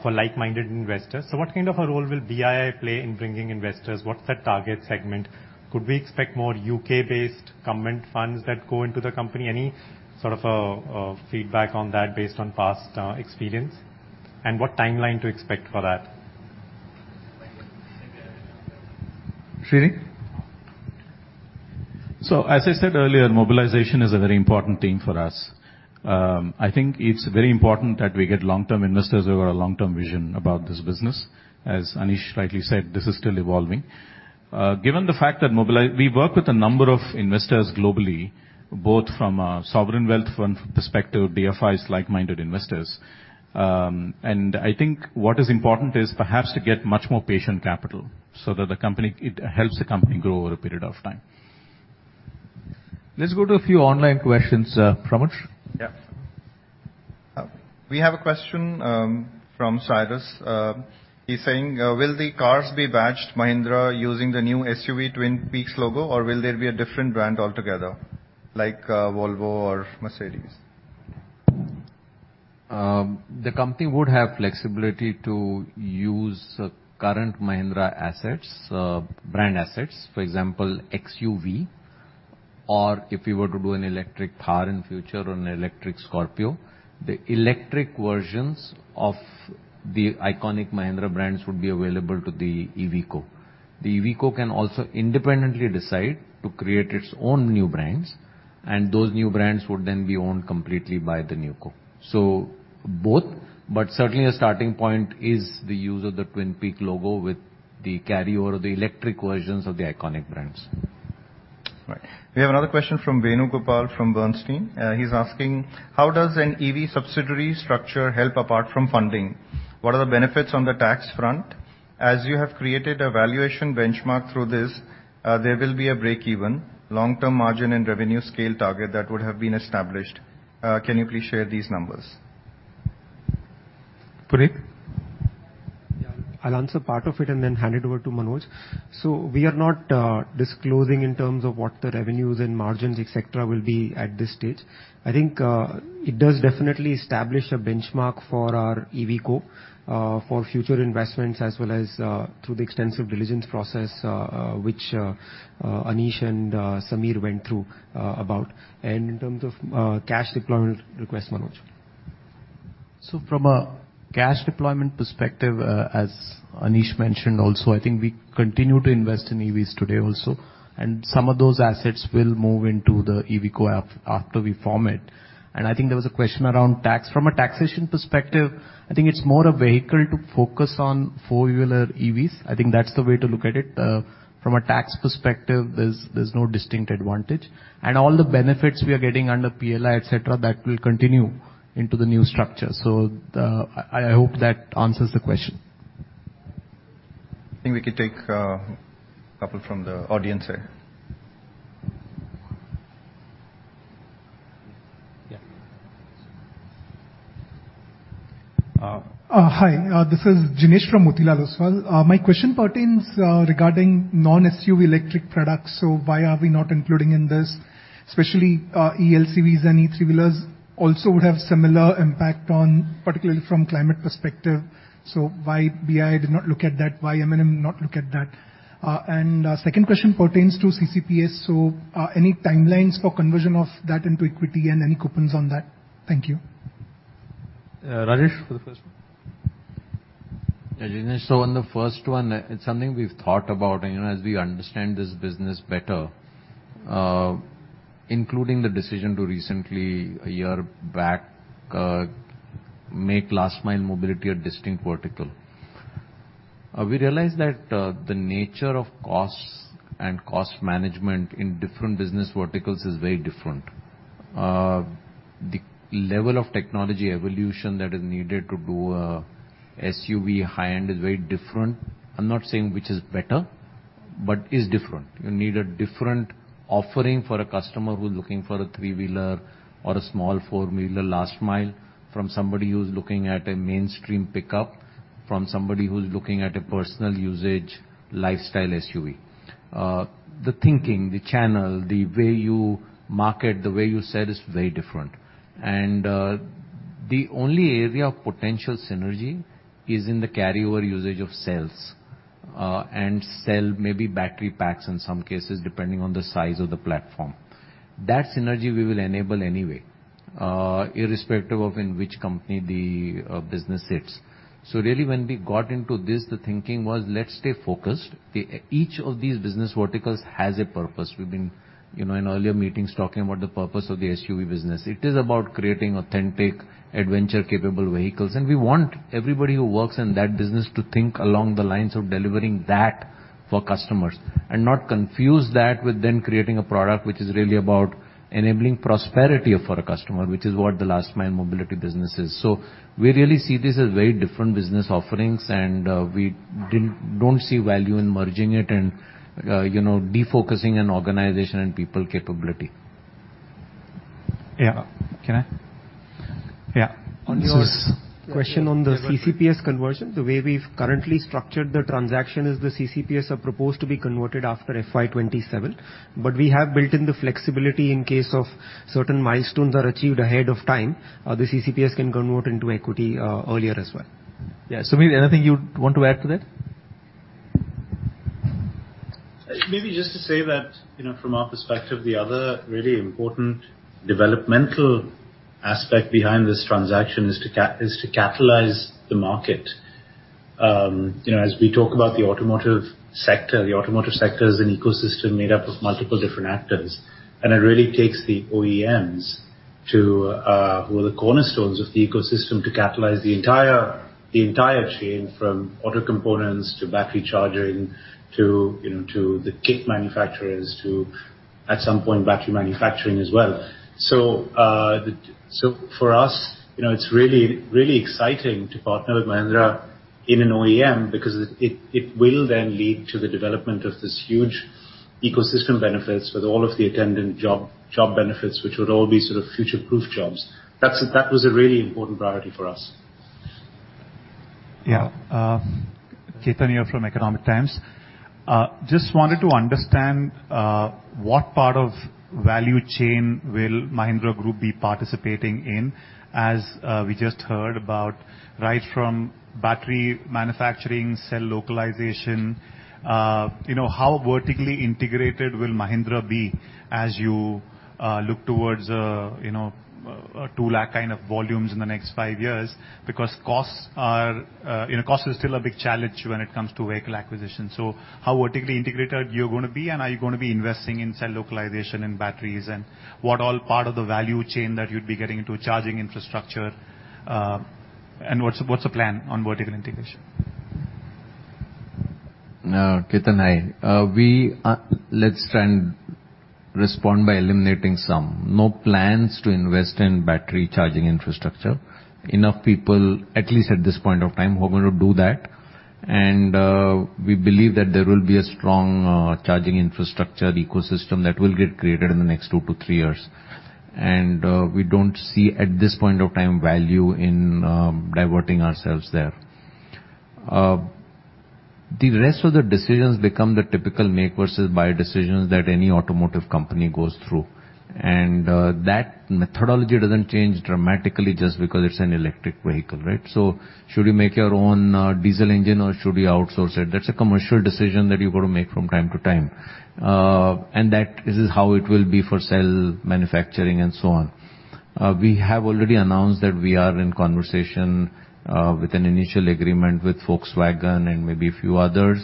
for like-minded investors. What kind of a role will BII play in bringing investors? What's the target segment? Could we expect more U.K.-based government funds that go into the company? Any sort of a feedback on that based on past experience, and what timeline to expect for that? Srini? As I said earlier, mobilization is a very important thing for us. I think it's very important that we get long-term investors who have a long-term vision about this business. As Anish rightly said, this is still evolving. Given the fact that we work with a number of investors globally, both from a sovereign wealth fund perspective, DFIs, like-minded investors. I think what is important is perhaps to get much more patient capital so that it helps the company grow over a period of time. Let's go to a few online questions. Pramuch? Yeah. We have a question from Cyrus. He's saying, will the cars be badged Mahindra using the new XUV Twin Peaks logo, or will there be a different brand altogether, like, Volvo or Mercedes-Benz? The company would have flexibility to use current Mahindra assets, brand assets, for example, XUV, or if we were to do an electric Thar in future or an electric Scorpio. The electric versions of the iconic Mahindra brands would be available to the EVCo. The EVCo can also independently decide to create its own new brands, and those new brands would then be owned completely by the NewCo. Both, but certainly a starting point is the use of the Twin Peaks logo with the carryover of the electric versions of the iconic brands. Right. We have another question from Venugopal from Bernstein. He's asking, how does an EV subsidiary structure help apart from funding? What are the benefits on the tax front? As you have created a valuation benchmark through this, there will be a breakeven long-term margin and revenue scale target that would have been established. Can you please share these numbers? Puneet? I'll answer part of it and then hand it over to Manoj. We are not disclosing in terms of what the revenues and margins, et cetera, will be at this stage. I think it does definitely establish a benchmark for our EVCo for future investments as well as through the extensive diligence process which Anish and Samir went through about. In terms of cash deployment request, Manoj. From a cash deployment perspective, as Anish mentioned also, I think we continue to invest in EVs today also, and some of those assets will move into the EVCo after we form it. I think there was a question around tax. From a taxation perspective, I think it's more a vehicle to focus on four-wheeler EVs. I think that's the way to look at it. From a tax perspective, there's no distinct advantage. All the benefits we are getting under PLI, et cetera, that will continue into the new structure. I hope that answers the question. I think we can take a couple from the audience here. Hi, this is Jinesh from Motilal Oswal. My question pertains regarding non-SUV electric products. Why are we not including in this? Especially, ELCVs and E-three-wheelers also would have similar impact on, particularly from climate perspective, why BII did not look at that, why M&M not look at that? Second question pertains to CCPS. Any timelines for conversion of that into equity and any coupons on that? Thank you. Yeah, Rajesh, for the first one. Yeah, Jinesh, so on the first one, it's something we've thought about, you know, as we understand this business better, including the decision to recently, a year back, make Last Mile Mobility a distinct vertical. We realized that, the nature of costs and cost management in different business verticals is very different. The level of technology evolution that is needed to do a SUV high-end is very different. I'm not saying which is better, but is different. You need a different offering for a customer who's looking for a three-wheeler or a small four-wheeler last mile from somebody who's looking at a mainstream pickup from somebody who's looking at a personal usage lifestyle SUV. The thinking, the channel, the way you market, the way you sell is very different. The only area of potential synergy is in the carryover usage of cells, and cells maybe battery packs in some cases, depending on the size of the platform. That synergy we will enable anyway, irrespective of in which company the business sits. Really, when we got into this, the thinking was let's stay focused. Each of these business verticals has a purpose. We've been, you know, in earlier meetings talking about the purpose of the SUV business. It is about creating authentic, adventure-capable vehicles, and we want everybody who works in that business to think along the lines of delivering that for customers and not confuse that with then creating a product which is really about enabling prosperity for a customer, which is what the Last Mile Mobility business is. We really see this as very different business offerings, and we don't see value in merging it and, you know, defocusing an organization and people capability. Yeah. Can I? Yeah. On your question on the CCPS conversion, the way we've currently structured the transaction is the CCPS are proposed to be converted after FY 2027. We have built in the flexibility in case of certain milestones are achieved ahead of time, the CCPS can convert into equity earlier as well. Yeah. Samir, anything you'd want to add to that? Maybe just to say that, you know, from our perspective, the other really important developmental aspect behind this transaction is to catalyze the market. You know, as we talk about the automotive sector, the automotive sector is an ecosystem made up of multiple different actors, and it really takes the OEMs, who are the cornerstones of the ecosystem, to catalyze the entire chain from auto components to battery charging to, you know, to the chief manufacturers to, at some point, battery manufacturing as well. So for us, you know, it's really, really exciting to partner with Mahindra in an OEM because it will then lead to the development of this huge ecosystem benefits with all of the attendant job benefits, which would all be sort of future-proof jobs. That was a really important priority for us. Yeah. Ketan here from The Economic Times. Just wanted to understand what part of value chain will Mahindra Group be participating in? As we just heard about right from battery manufacturing, cell localization, you know, how vertically integrated will Mahindra be as you look towards you know a 2 lakh kind of volumes in the next five years? Because cost is still a big challenge when it comes to vehicle acquisition. How vertically integrated you're gonna be, and are you gonna be investing in cell localization and batteries? And what all part of the value chain that you'd be getting into charging infrastructure, and what's the plan on vertical integration? Ketan, hi. Let's try and respond by eliminating some. No plans to invest in battery charging infrastructure. Enough people, at least at this point of time, who are gonna do that. We believe that there will be a strong charging infrastructure ecosystem that will get created in the next two-three years. We don't see at this point of time value in diverting ourselves there. The rest of the decisions become the typical make versus buy decisions that any automotive company goes through. That methodology doesn't change dramatically just because it's an electric vehicle, right? Should you make your own diesel engine or should you outsource it? That's a commercial decision that you've got to make from time to time. That is how it will be for cell manufacturing and so on. We have already announced that we are in conversation with an initial agreement with Volkswagen and maybe a few others,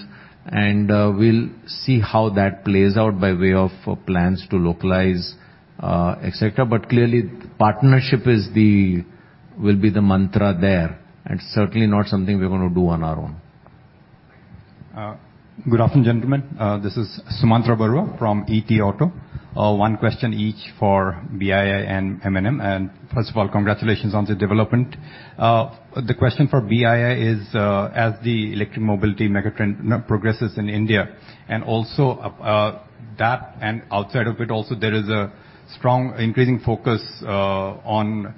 and we'll see how that plays out by way of plans to localize, et cetera. Clearly, partnership will be the mantra there, and certainly not something we're gonna do on our own. Good afternoon, gentlemen. This is Sumantra Barooah from ETAuto. One question each for BII and M&M. First of all, congratulations on the development. The question for BII is, as the electric mobility megatrend progresses in India and also outside of it also there is a strong increasing focus on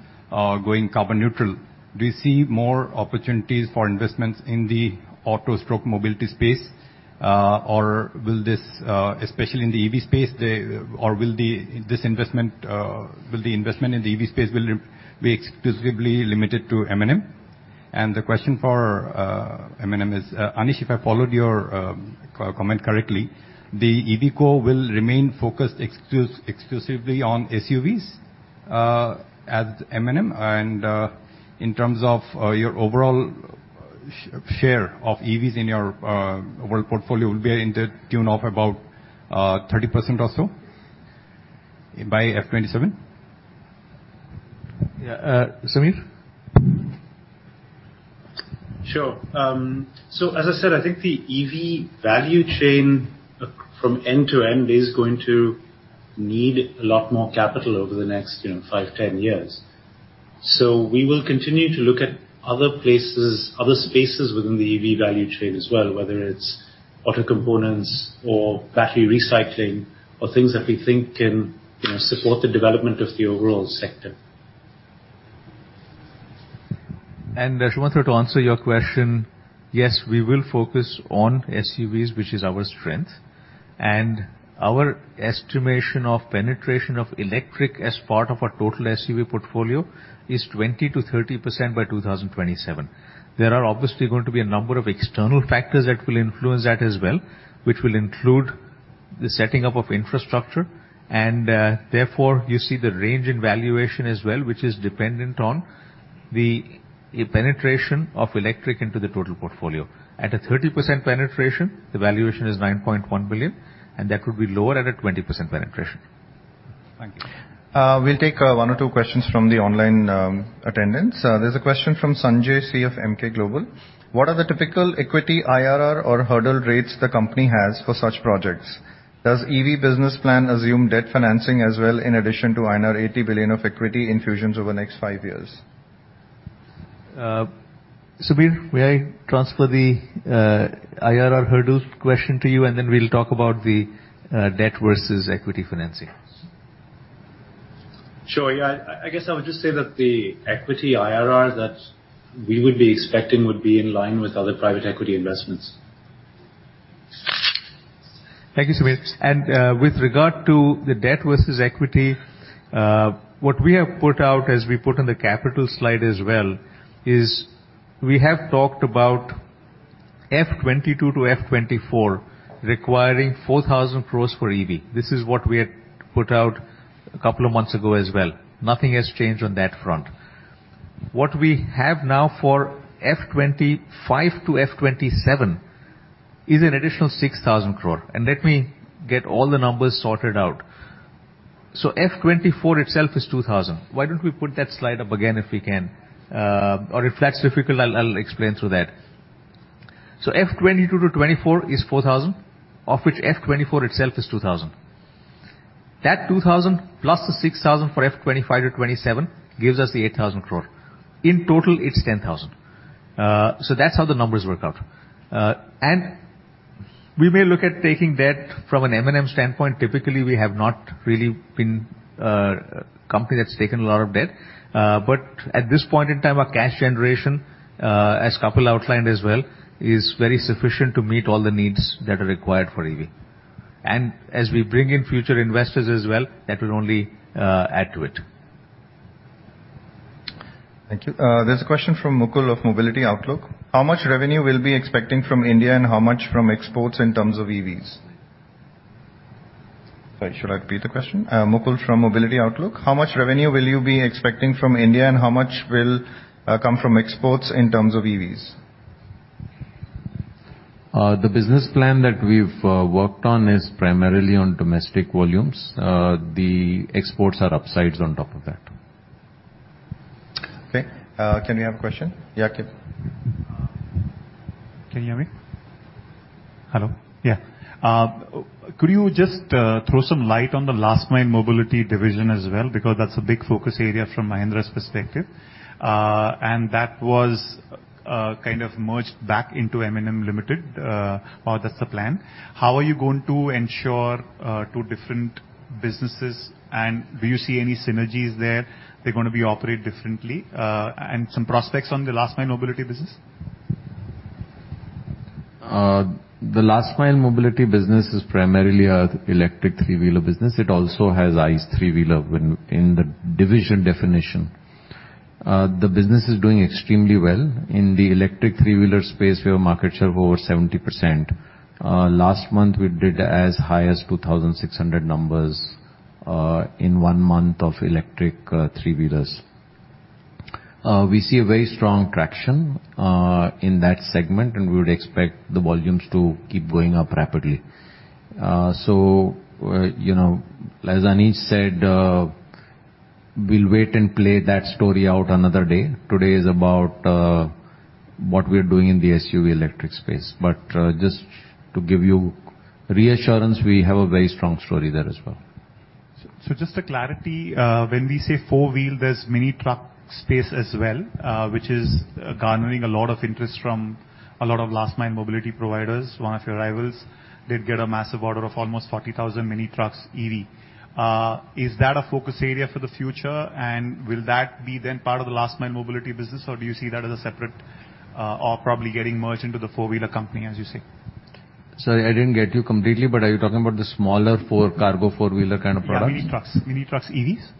going carbon neutral. Do you see more opportunities for investments in the auto/mobility space? Or will this investment, especially in the EV space, be exclusively limited to M&M? The question for M&M is, Anish, if I followed your comment correctly, the EVCo will remain focused exclusively on SUVs at M&M? In terms of your overall share of EVs in your world portfolio, will it be in the tune of about 30% or so by FY 2027? Yeah. Samir? Sure. As I said, I think the EV value chain from end to end is going to need a lot more capital over the next, you know, five, 10 years. We will continue to look at other places, other spaces within the EV value chain as well, whether it's auto components or battery recycling or things that we think can, you know, support the development of the overall sector. Sumantra, to answer your question, yes, we will focus on SUVs, which is our strength. Our estimation of penetration of electric as part of our total SUV portfolio is 20%-30% by 2027. There are obviously going to be a number of external factors that will influence that as well, which will include the setting up of infrastructure, and therefore, you see the range in valuation as well, which is dependent on the penetration of electric into the total portfolio. At a 30% penetration, the valuation is $9.1 billion, and that could be lower at a 20% penetration. Thank you. We'll take one or two questions from the online attendees. There's a question from Sanjay S. of Emkay Global. What are the typical equity IRR or hurdle rates the company has for such projects? Does EV business plan assume debt financing as well in addition to INR 80 billion of equity infusions over the next five years? Samir, may I transfer the IRR hurdle question to you, and then we'll talk about the debt versus equity financing. Sure. Yeah. I guess I would just say that the equity IRR that we would be expecting would be in line with other private equity investments. Thank you, Samir. With regard to the debt versus equity, what we have put out, as we put on the capital slide as well, is we have talked about FY 2022-FY 2024 requiring 4,000 crore for EV. This is what we had put out a couple of months ago as well. Nothing has changed on that front. What we have now for FY 2025-FY 2027 is an additional 6,000 crore. Let me get all the numbers sorted out. FY 2024 itself is 2,000 crore. Why don't we put that slide up again if we can? Or if that's difficult, I'll explain through that. FY 2022-2024 is 4,000 crore, of which FY 2024 itself is 2,000 crore. That 2,000 crore plus the 6,000 crore for FY 2025-FY 2027 gives us the 8,000 crore. In total, it's 10,000 crore. So that's how the numbers work out. We may look at taking debt from an M&M standpoint. Typically, we have not really been a company that's taken a lot of debt. But at this point in time, our cash generation, as Kapil outlined as well, is very sufficient to meet all the needs that are required for EV. As we bring in future investors as well, that will only add to it. Thank you. There's a question from Mukul of Mobility Outlook. How much revenue we'll be expecting from India and how much from exports in terms of EVs? Sorry, should I repeat the question? Mukul from Mobility Outlook. How much revenue will you be expecting from India and how much will come from exports in terms of EVs? The business plan that we've worked on is primarily on domestic volumes. The exports are upsides on top of that. Okay. Can we have a question? Yeah, Ketan. Can you hear me? Hello? Yeah. Could you just throw some light on the Last Mile Mobility division as well? Because that's a big focus area from Mahindra's perspective. That was kind of merged back into M&M Limited, or that's the plan. How are you going to ensure two different businesses and do you see any synergies there? They're gonna be operate differently, and some prospects on the Last Mile Mobility business. The Last Mile Mobility business is primarily a electric three-wheeler business. It also has ICE three-wheeler when in the division definition. The business is doing extremely well. In the electric three-wheeler space, we have market share of over 70%. Last month we did as high as 2,600 numbers, in one month of electric, three-wheelers. We see a very strong traction, in that segment, and we would expect the volumes to keep going up rapidly. You know, as Anish said, we'll wait and play that story out another day. Today is about, what we're doing in the SUV electric space. Just to give you reassurance, we have a very strong story there as well. Just a clarity, when we say four wheel, there's mini truck space as well, which is garnering a lot of interest from a lot of Last Mile Mobility providers. One of your rivals did get a massive order of almost 40,000 mini trucks EV. Is that a focus area for the future and will that be then part of the Last Mile Mobility business or do you see that as a separate, or probably getting merged into the four-wheeler company, as you say? Sorry, I didn't get you completely, but are you talking about the smaller four cargo four-wheeler kind of product? Yeah, mini trucks. Mini trucks EVs.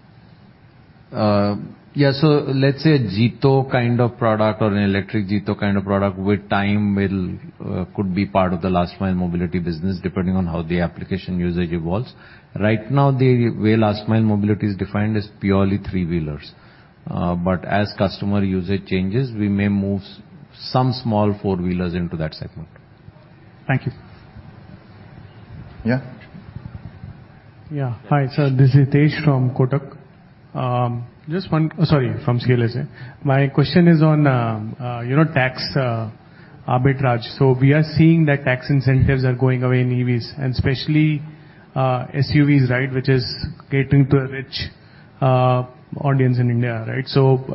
Let's say Jeeto kind of product or an electric Jeeto kind of product with time could be part of the Last Mile Mobility business depending on how the application usage evolves. Right now, the way Last Mile Mobility is defined is purely three-wheelers. As customer usage changes, we may move some small four-wheelers into that segment. Thank you. Yeah? Yeah. Hi. This is Hitesh from Kotak. Sorry, from CLSA. My question is on, you know, tax arbitrage. We are seeing that tax incentives are going away in EVs and especially SUVs, right, which is catering to a rich audience in India, right?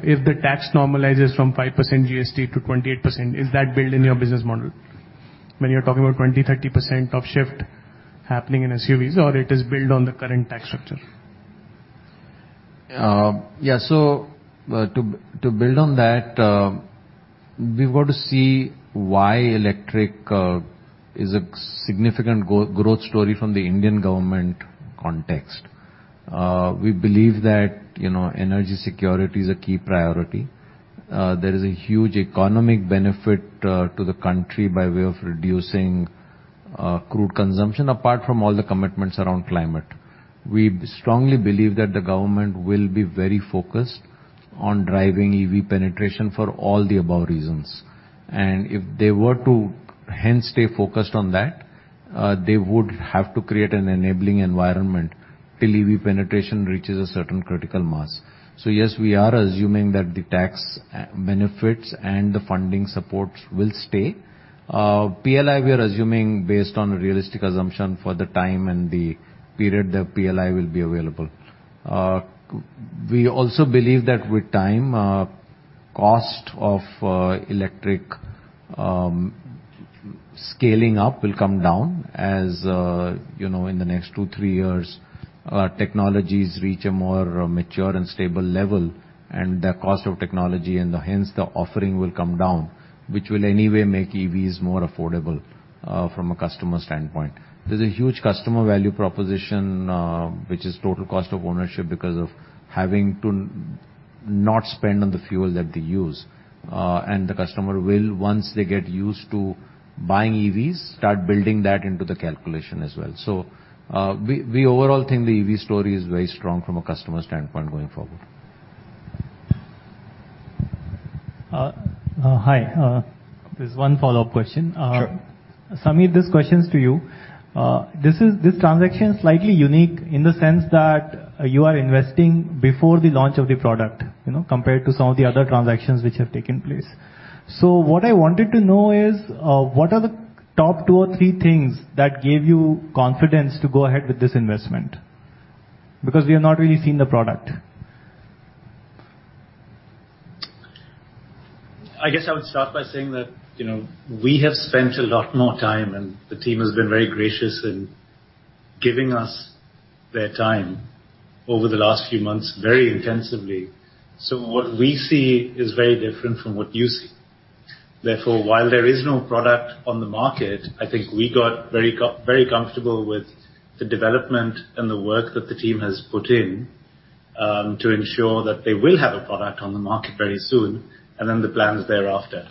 If the tax normalizes from 5% GST to 28%, is that built in your business model? When you're talking about 20%-30% of shift happening in SUVs or it is built on the current tax structure. Yeah, to build on that, we've got to see why electric is a significant growth story from the Indian government context. We believe that, you know, energy security is a key priority. There is a huge economic benefit to the country by way of reducing crude consumption apart from all the commitments around climate. We strongly believe that the government will be very focused on driving EV penetration for all the above reasons. If they were to hence stay focused on that, they would have to create an enabling environment till EV penetration reaches a certain critical mass. Yes, we are assuming that the tax benefits and the funding support will stay. PLI, we are assuming based on a realistic assumption for the time and the period that PLI will be available. We also believe that with time, cost of electric scaling up will come down as, you know, in the next two-three years, technologies reach a more mature and stable level and the cost of technology and hence the offering will come down, which will anyway make EVs more affordable, from a customer standpoint. There's a huge customer value proposition, which is total cost of ownership because of having to not spend on the fuel that they use. The customer will once they get used to buying EVs, start building that into the calculation as well. We overall think the EV story is very strong from a customer standpoint going forward. Hi. There's one follow-up question. Sure. Samir, this question's to you. This transaction is slightly unique in the sense that you are investing before the launch of the product, you know, compared to some of the other transactions which have taken place. What I wanted to know is, what are the top two or three things that gave you confidence to go ahead with this investment? Because we have not really seen the product. I guess I would start by saying that, you know, we have spent a lot more time, and the team has been very gracious in giving us their time over the last few months, very intensively. What we see is very different from what you see. Therefore, while there is no product on the market, I think we got very comfortable with the development and the work that the team has put in, to ensure that they will have a product on the market very soon, and then the plans thereafter.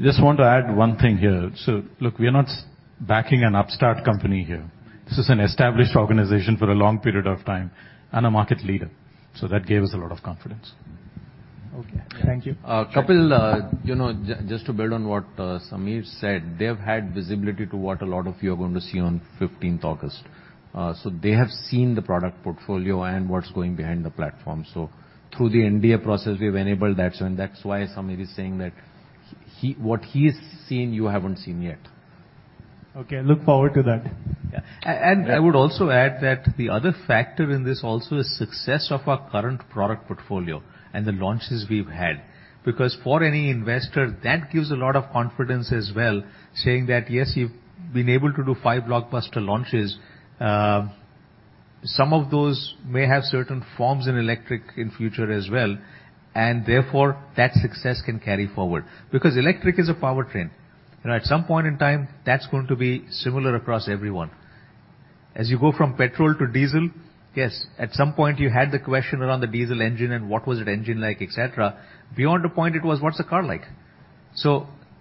Just want to add one thing here. Look, we are not backing an upstart company here. This is an established organization for a long period of time and a market leader. That gave us a lot of confidence. Okay. Thank you. Kapil, you know, just to build on what Samir said, they've had visibility to what a lot of you are going to see on 15th August. They have seen the product portfolio and what's going behind the platform. Through the NDA process, we've enabled that. That's why Samir is saying that he what he's seen you haven't seen yet. Okay. Look forward to that. Yeah. I would also add that the other factor in this also is success of our current product portfolio and the launches we've had. Because for any investor, that gives a lot of confidence as well, saying that, "Yes, you've been able to do five blockbuster launches." Some of those may have certain forms in electric in future as well, and therefore that success can carry forward. Because electric is a powertrain, and at some point in time, that's going to be similar across everyone. As you go from petrol to diesel, yes, at some point you had the question around the diesel engine and what was the engine like, et cetera. Beyond a point it was what's the car like?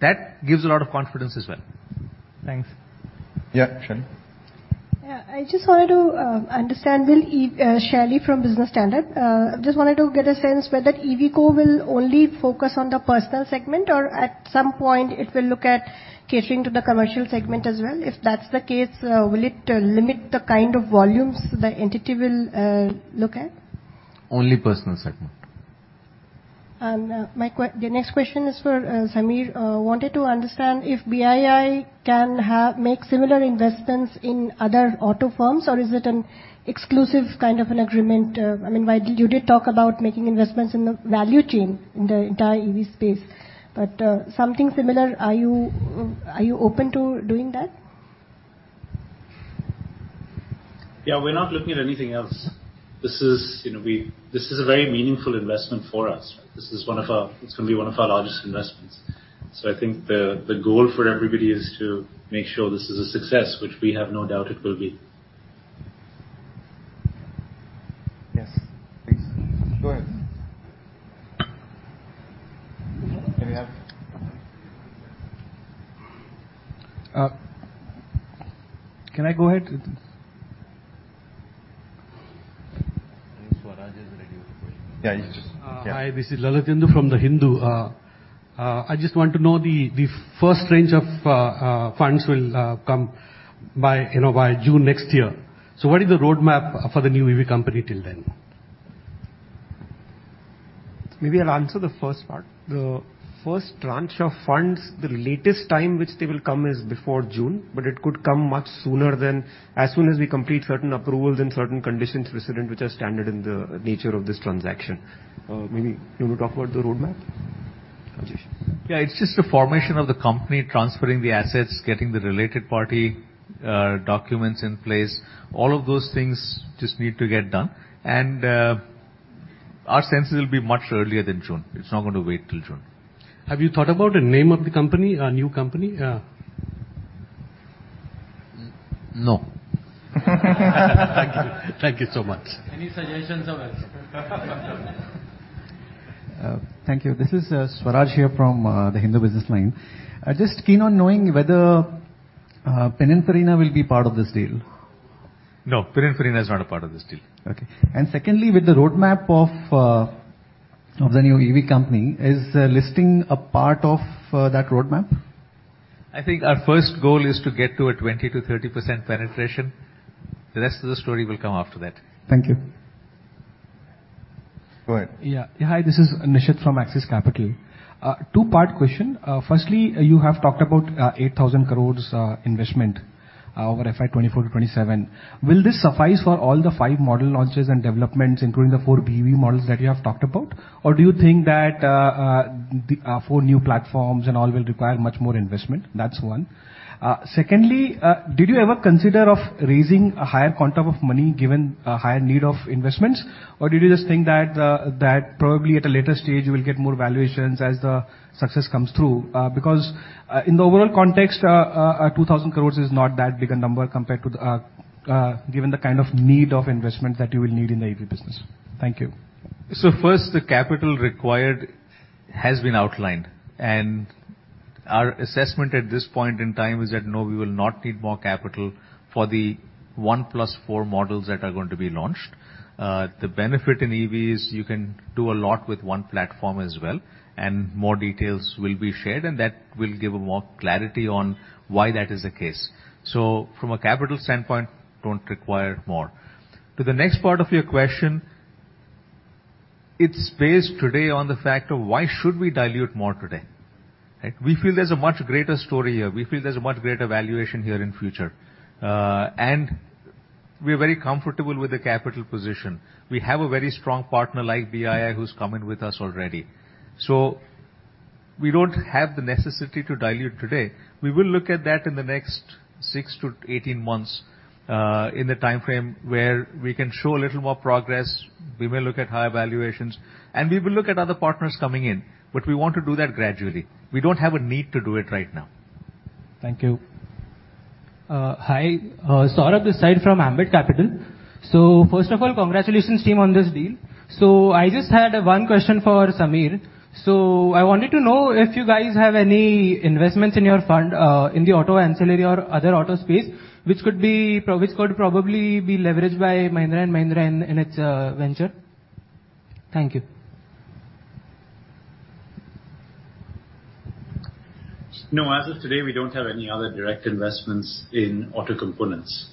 That gives a lot of confidence as well. Thanks. Yeah. Shally. Shally from Business Standard. Just wanted to get a sense whether EVCo will only focus on the personal segment or at some point it will look at catering to the commercial segment as well. If that's the case, will it limit the kind of volumes the entity will look at? Only personal segment. The next question is for Samir. Wanted to understand if BII can make similar investments in other auto firms or is it an exclusive kind of an agreement? I mean, you did talk about making investments in the value chain in the entire EV space, but something similar, are you open to doing that? Yeah, we're not looking at anything else. This is, you know. This is a very meaningful investment for us. This is one of our. It's gonna be one of our largest investments. I think the goal for everybody is to make sure this is a success, which we have no doubt it will be. Yes, please. Go ahead. Do we have? Can I go ahead? I think Swaraj is ready with the question. Yeah. Yeah. Hi, this is Lalatendu from The Hindu. I just want to know the first range of funds will come by, you know, by June next year. What is the roadmap for the new EV company till then? Maybe I'll answer the first part. The first tranche of funds, the latest time which they will come is before June, but it could come much sooner than as soon as we complete certain approvals and certain conditions precedent, which are standard in the nature of this transaction. Samir do you wanna talk about the roadmap? Rajesh. Yeah, it's just the formation of the company, transferring the assets, getting the related party documents in place. All of those things just need to get done. Our sense is it'll be much earlier than June. It's not gonna wait till June. Have you thought about a name of the company, new company? N-no. Thank you. Thank you so much. Any suggestions are welcome. Thank you. This is Swaraj here from The Hindu Business Line. I'm just keen on knowing whether Pininfarina will be part of this deal. No, Pininfarina is not a part of this deal. Okay. Secondly, with the roadmap of the new EV company, is listing a part of that roadmap? I think our first goal is to get to a 20%-30% penetration. The rest of the story will come after that. Thank you. Go ahead. Yeah. Hi, this is Nishit from Axis Capital. Two-part question. Firstly, you have talked about 8,000 crore investment over FY 2024- FY 2027. Will this suffice for all the five model launches and developments, including the four BEV models that you have talked about? Or do you think that the four new platforms and all will require much more investment? That's one. Secondly, did you ever consider of raising a higher quantum of money given a higher need of investments? Or did you just think that probably at a later stage you will get more valuations as the success comes through? Because in the overall context, 2,000 crore is not that big a number compared to, given the kind of need of investment that you will need in the EV business. Thank you. First, the capital required has been outlined, and our assessment at this point in time is that no, we will not need more capital for the one plus four models that are going to be launched. The benefit in EV is you can do a lot with one platform as well, and more details will be shared, and that will give more clarity on why that is the case. From a capital standpoint, don't require more. To the next part of your question, it's based today on the fact of why should we dilute more today. We feel there's a much greater story here. We feel there's a much greater valuation here in future. And we're very comfortable with the capital position. We have a very strong partner like BII who's coming with us already. We don't have the necessity to dilute today. We will look at that in the next six-18 months, in the timeframe where we can show a little more progress. We may look at higher valuations, and we will look at other partners coming in. We want to do that gradually. We don't have a need to do it right now. Thank you. Saurabh Desai from Ambit Capital. First of all, congratulations, team, on this deal. I just had one question for Samir. I wanted to know if you guys have any investments in your fund in the auto ancillary or other auto space, which could probably be leveraged by Mahindra & Mahindra in its venture. Thank you. No. As of today, we don't have any other direct investments in auto components.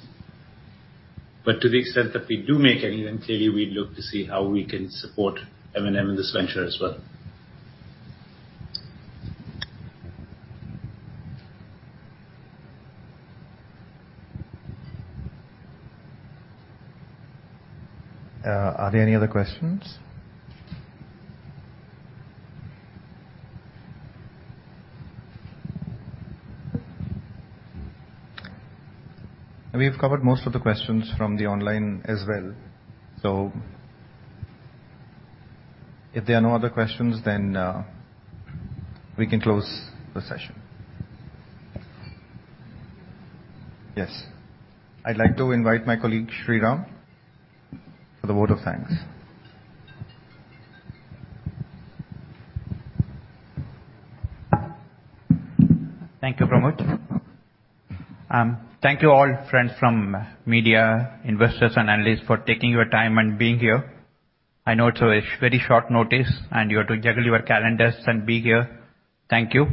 To the extent that we do make any, then clearly we'd look to see how we can support M&M in this venture as well. Are there any other questions? We have covered most of the questions from the online as well. If there are no other questions, then, we can close the session. Yes. I'd like to invite my colleague, Shriram, for the vote of thanks. Thank you, Pramuch. Thank you all friends from media, investors and analysts for taking your time and being here. I know it's a very short notice and you had to juggle your calendars and be here. Thank you.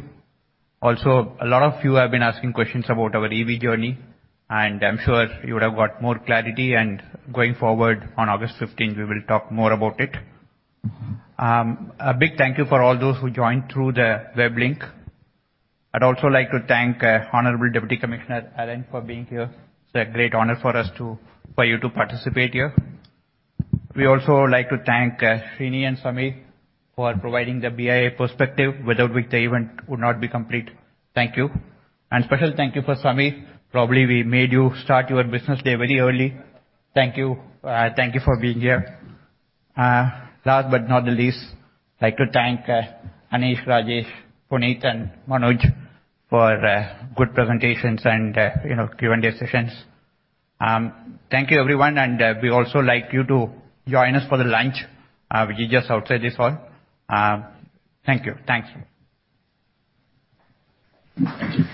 Also, a lot of you have been asking questions about our EV journey, and I'm sure you would have got more clarity, and going forward on August 15th, we will talk more about it. A big thank you for all those who joined through the web link. I'd also like to thank, Honorable Deputy Commissioner Alan for being here. It's a great honor for you to participate here. We also like to thank, Srini and Samir for providing the BII perspective, without which the event would not be complete. Thank you. Special thank you for Samir. Probably, we made you start your business day very early. Thank you. Thank you for being here. Last but not the least, I'd like to thank Anish, Rajesh, Puneet, and Manoj for good presentations and you know, Q&A sessions. Thank you, everyone. We also like you to join us for the lunch, which is just outside this hall. Thank you. Thank you. Thank you.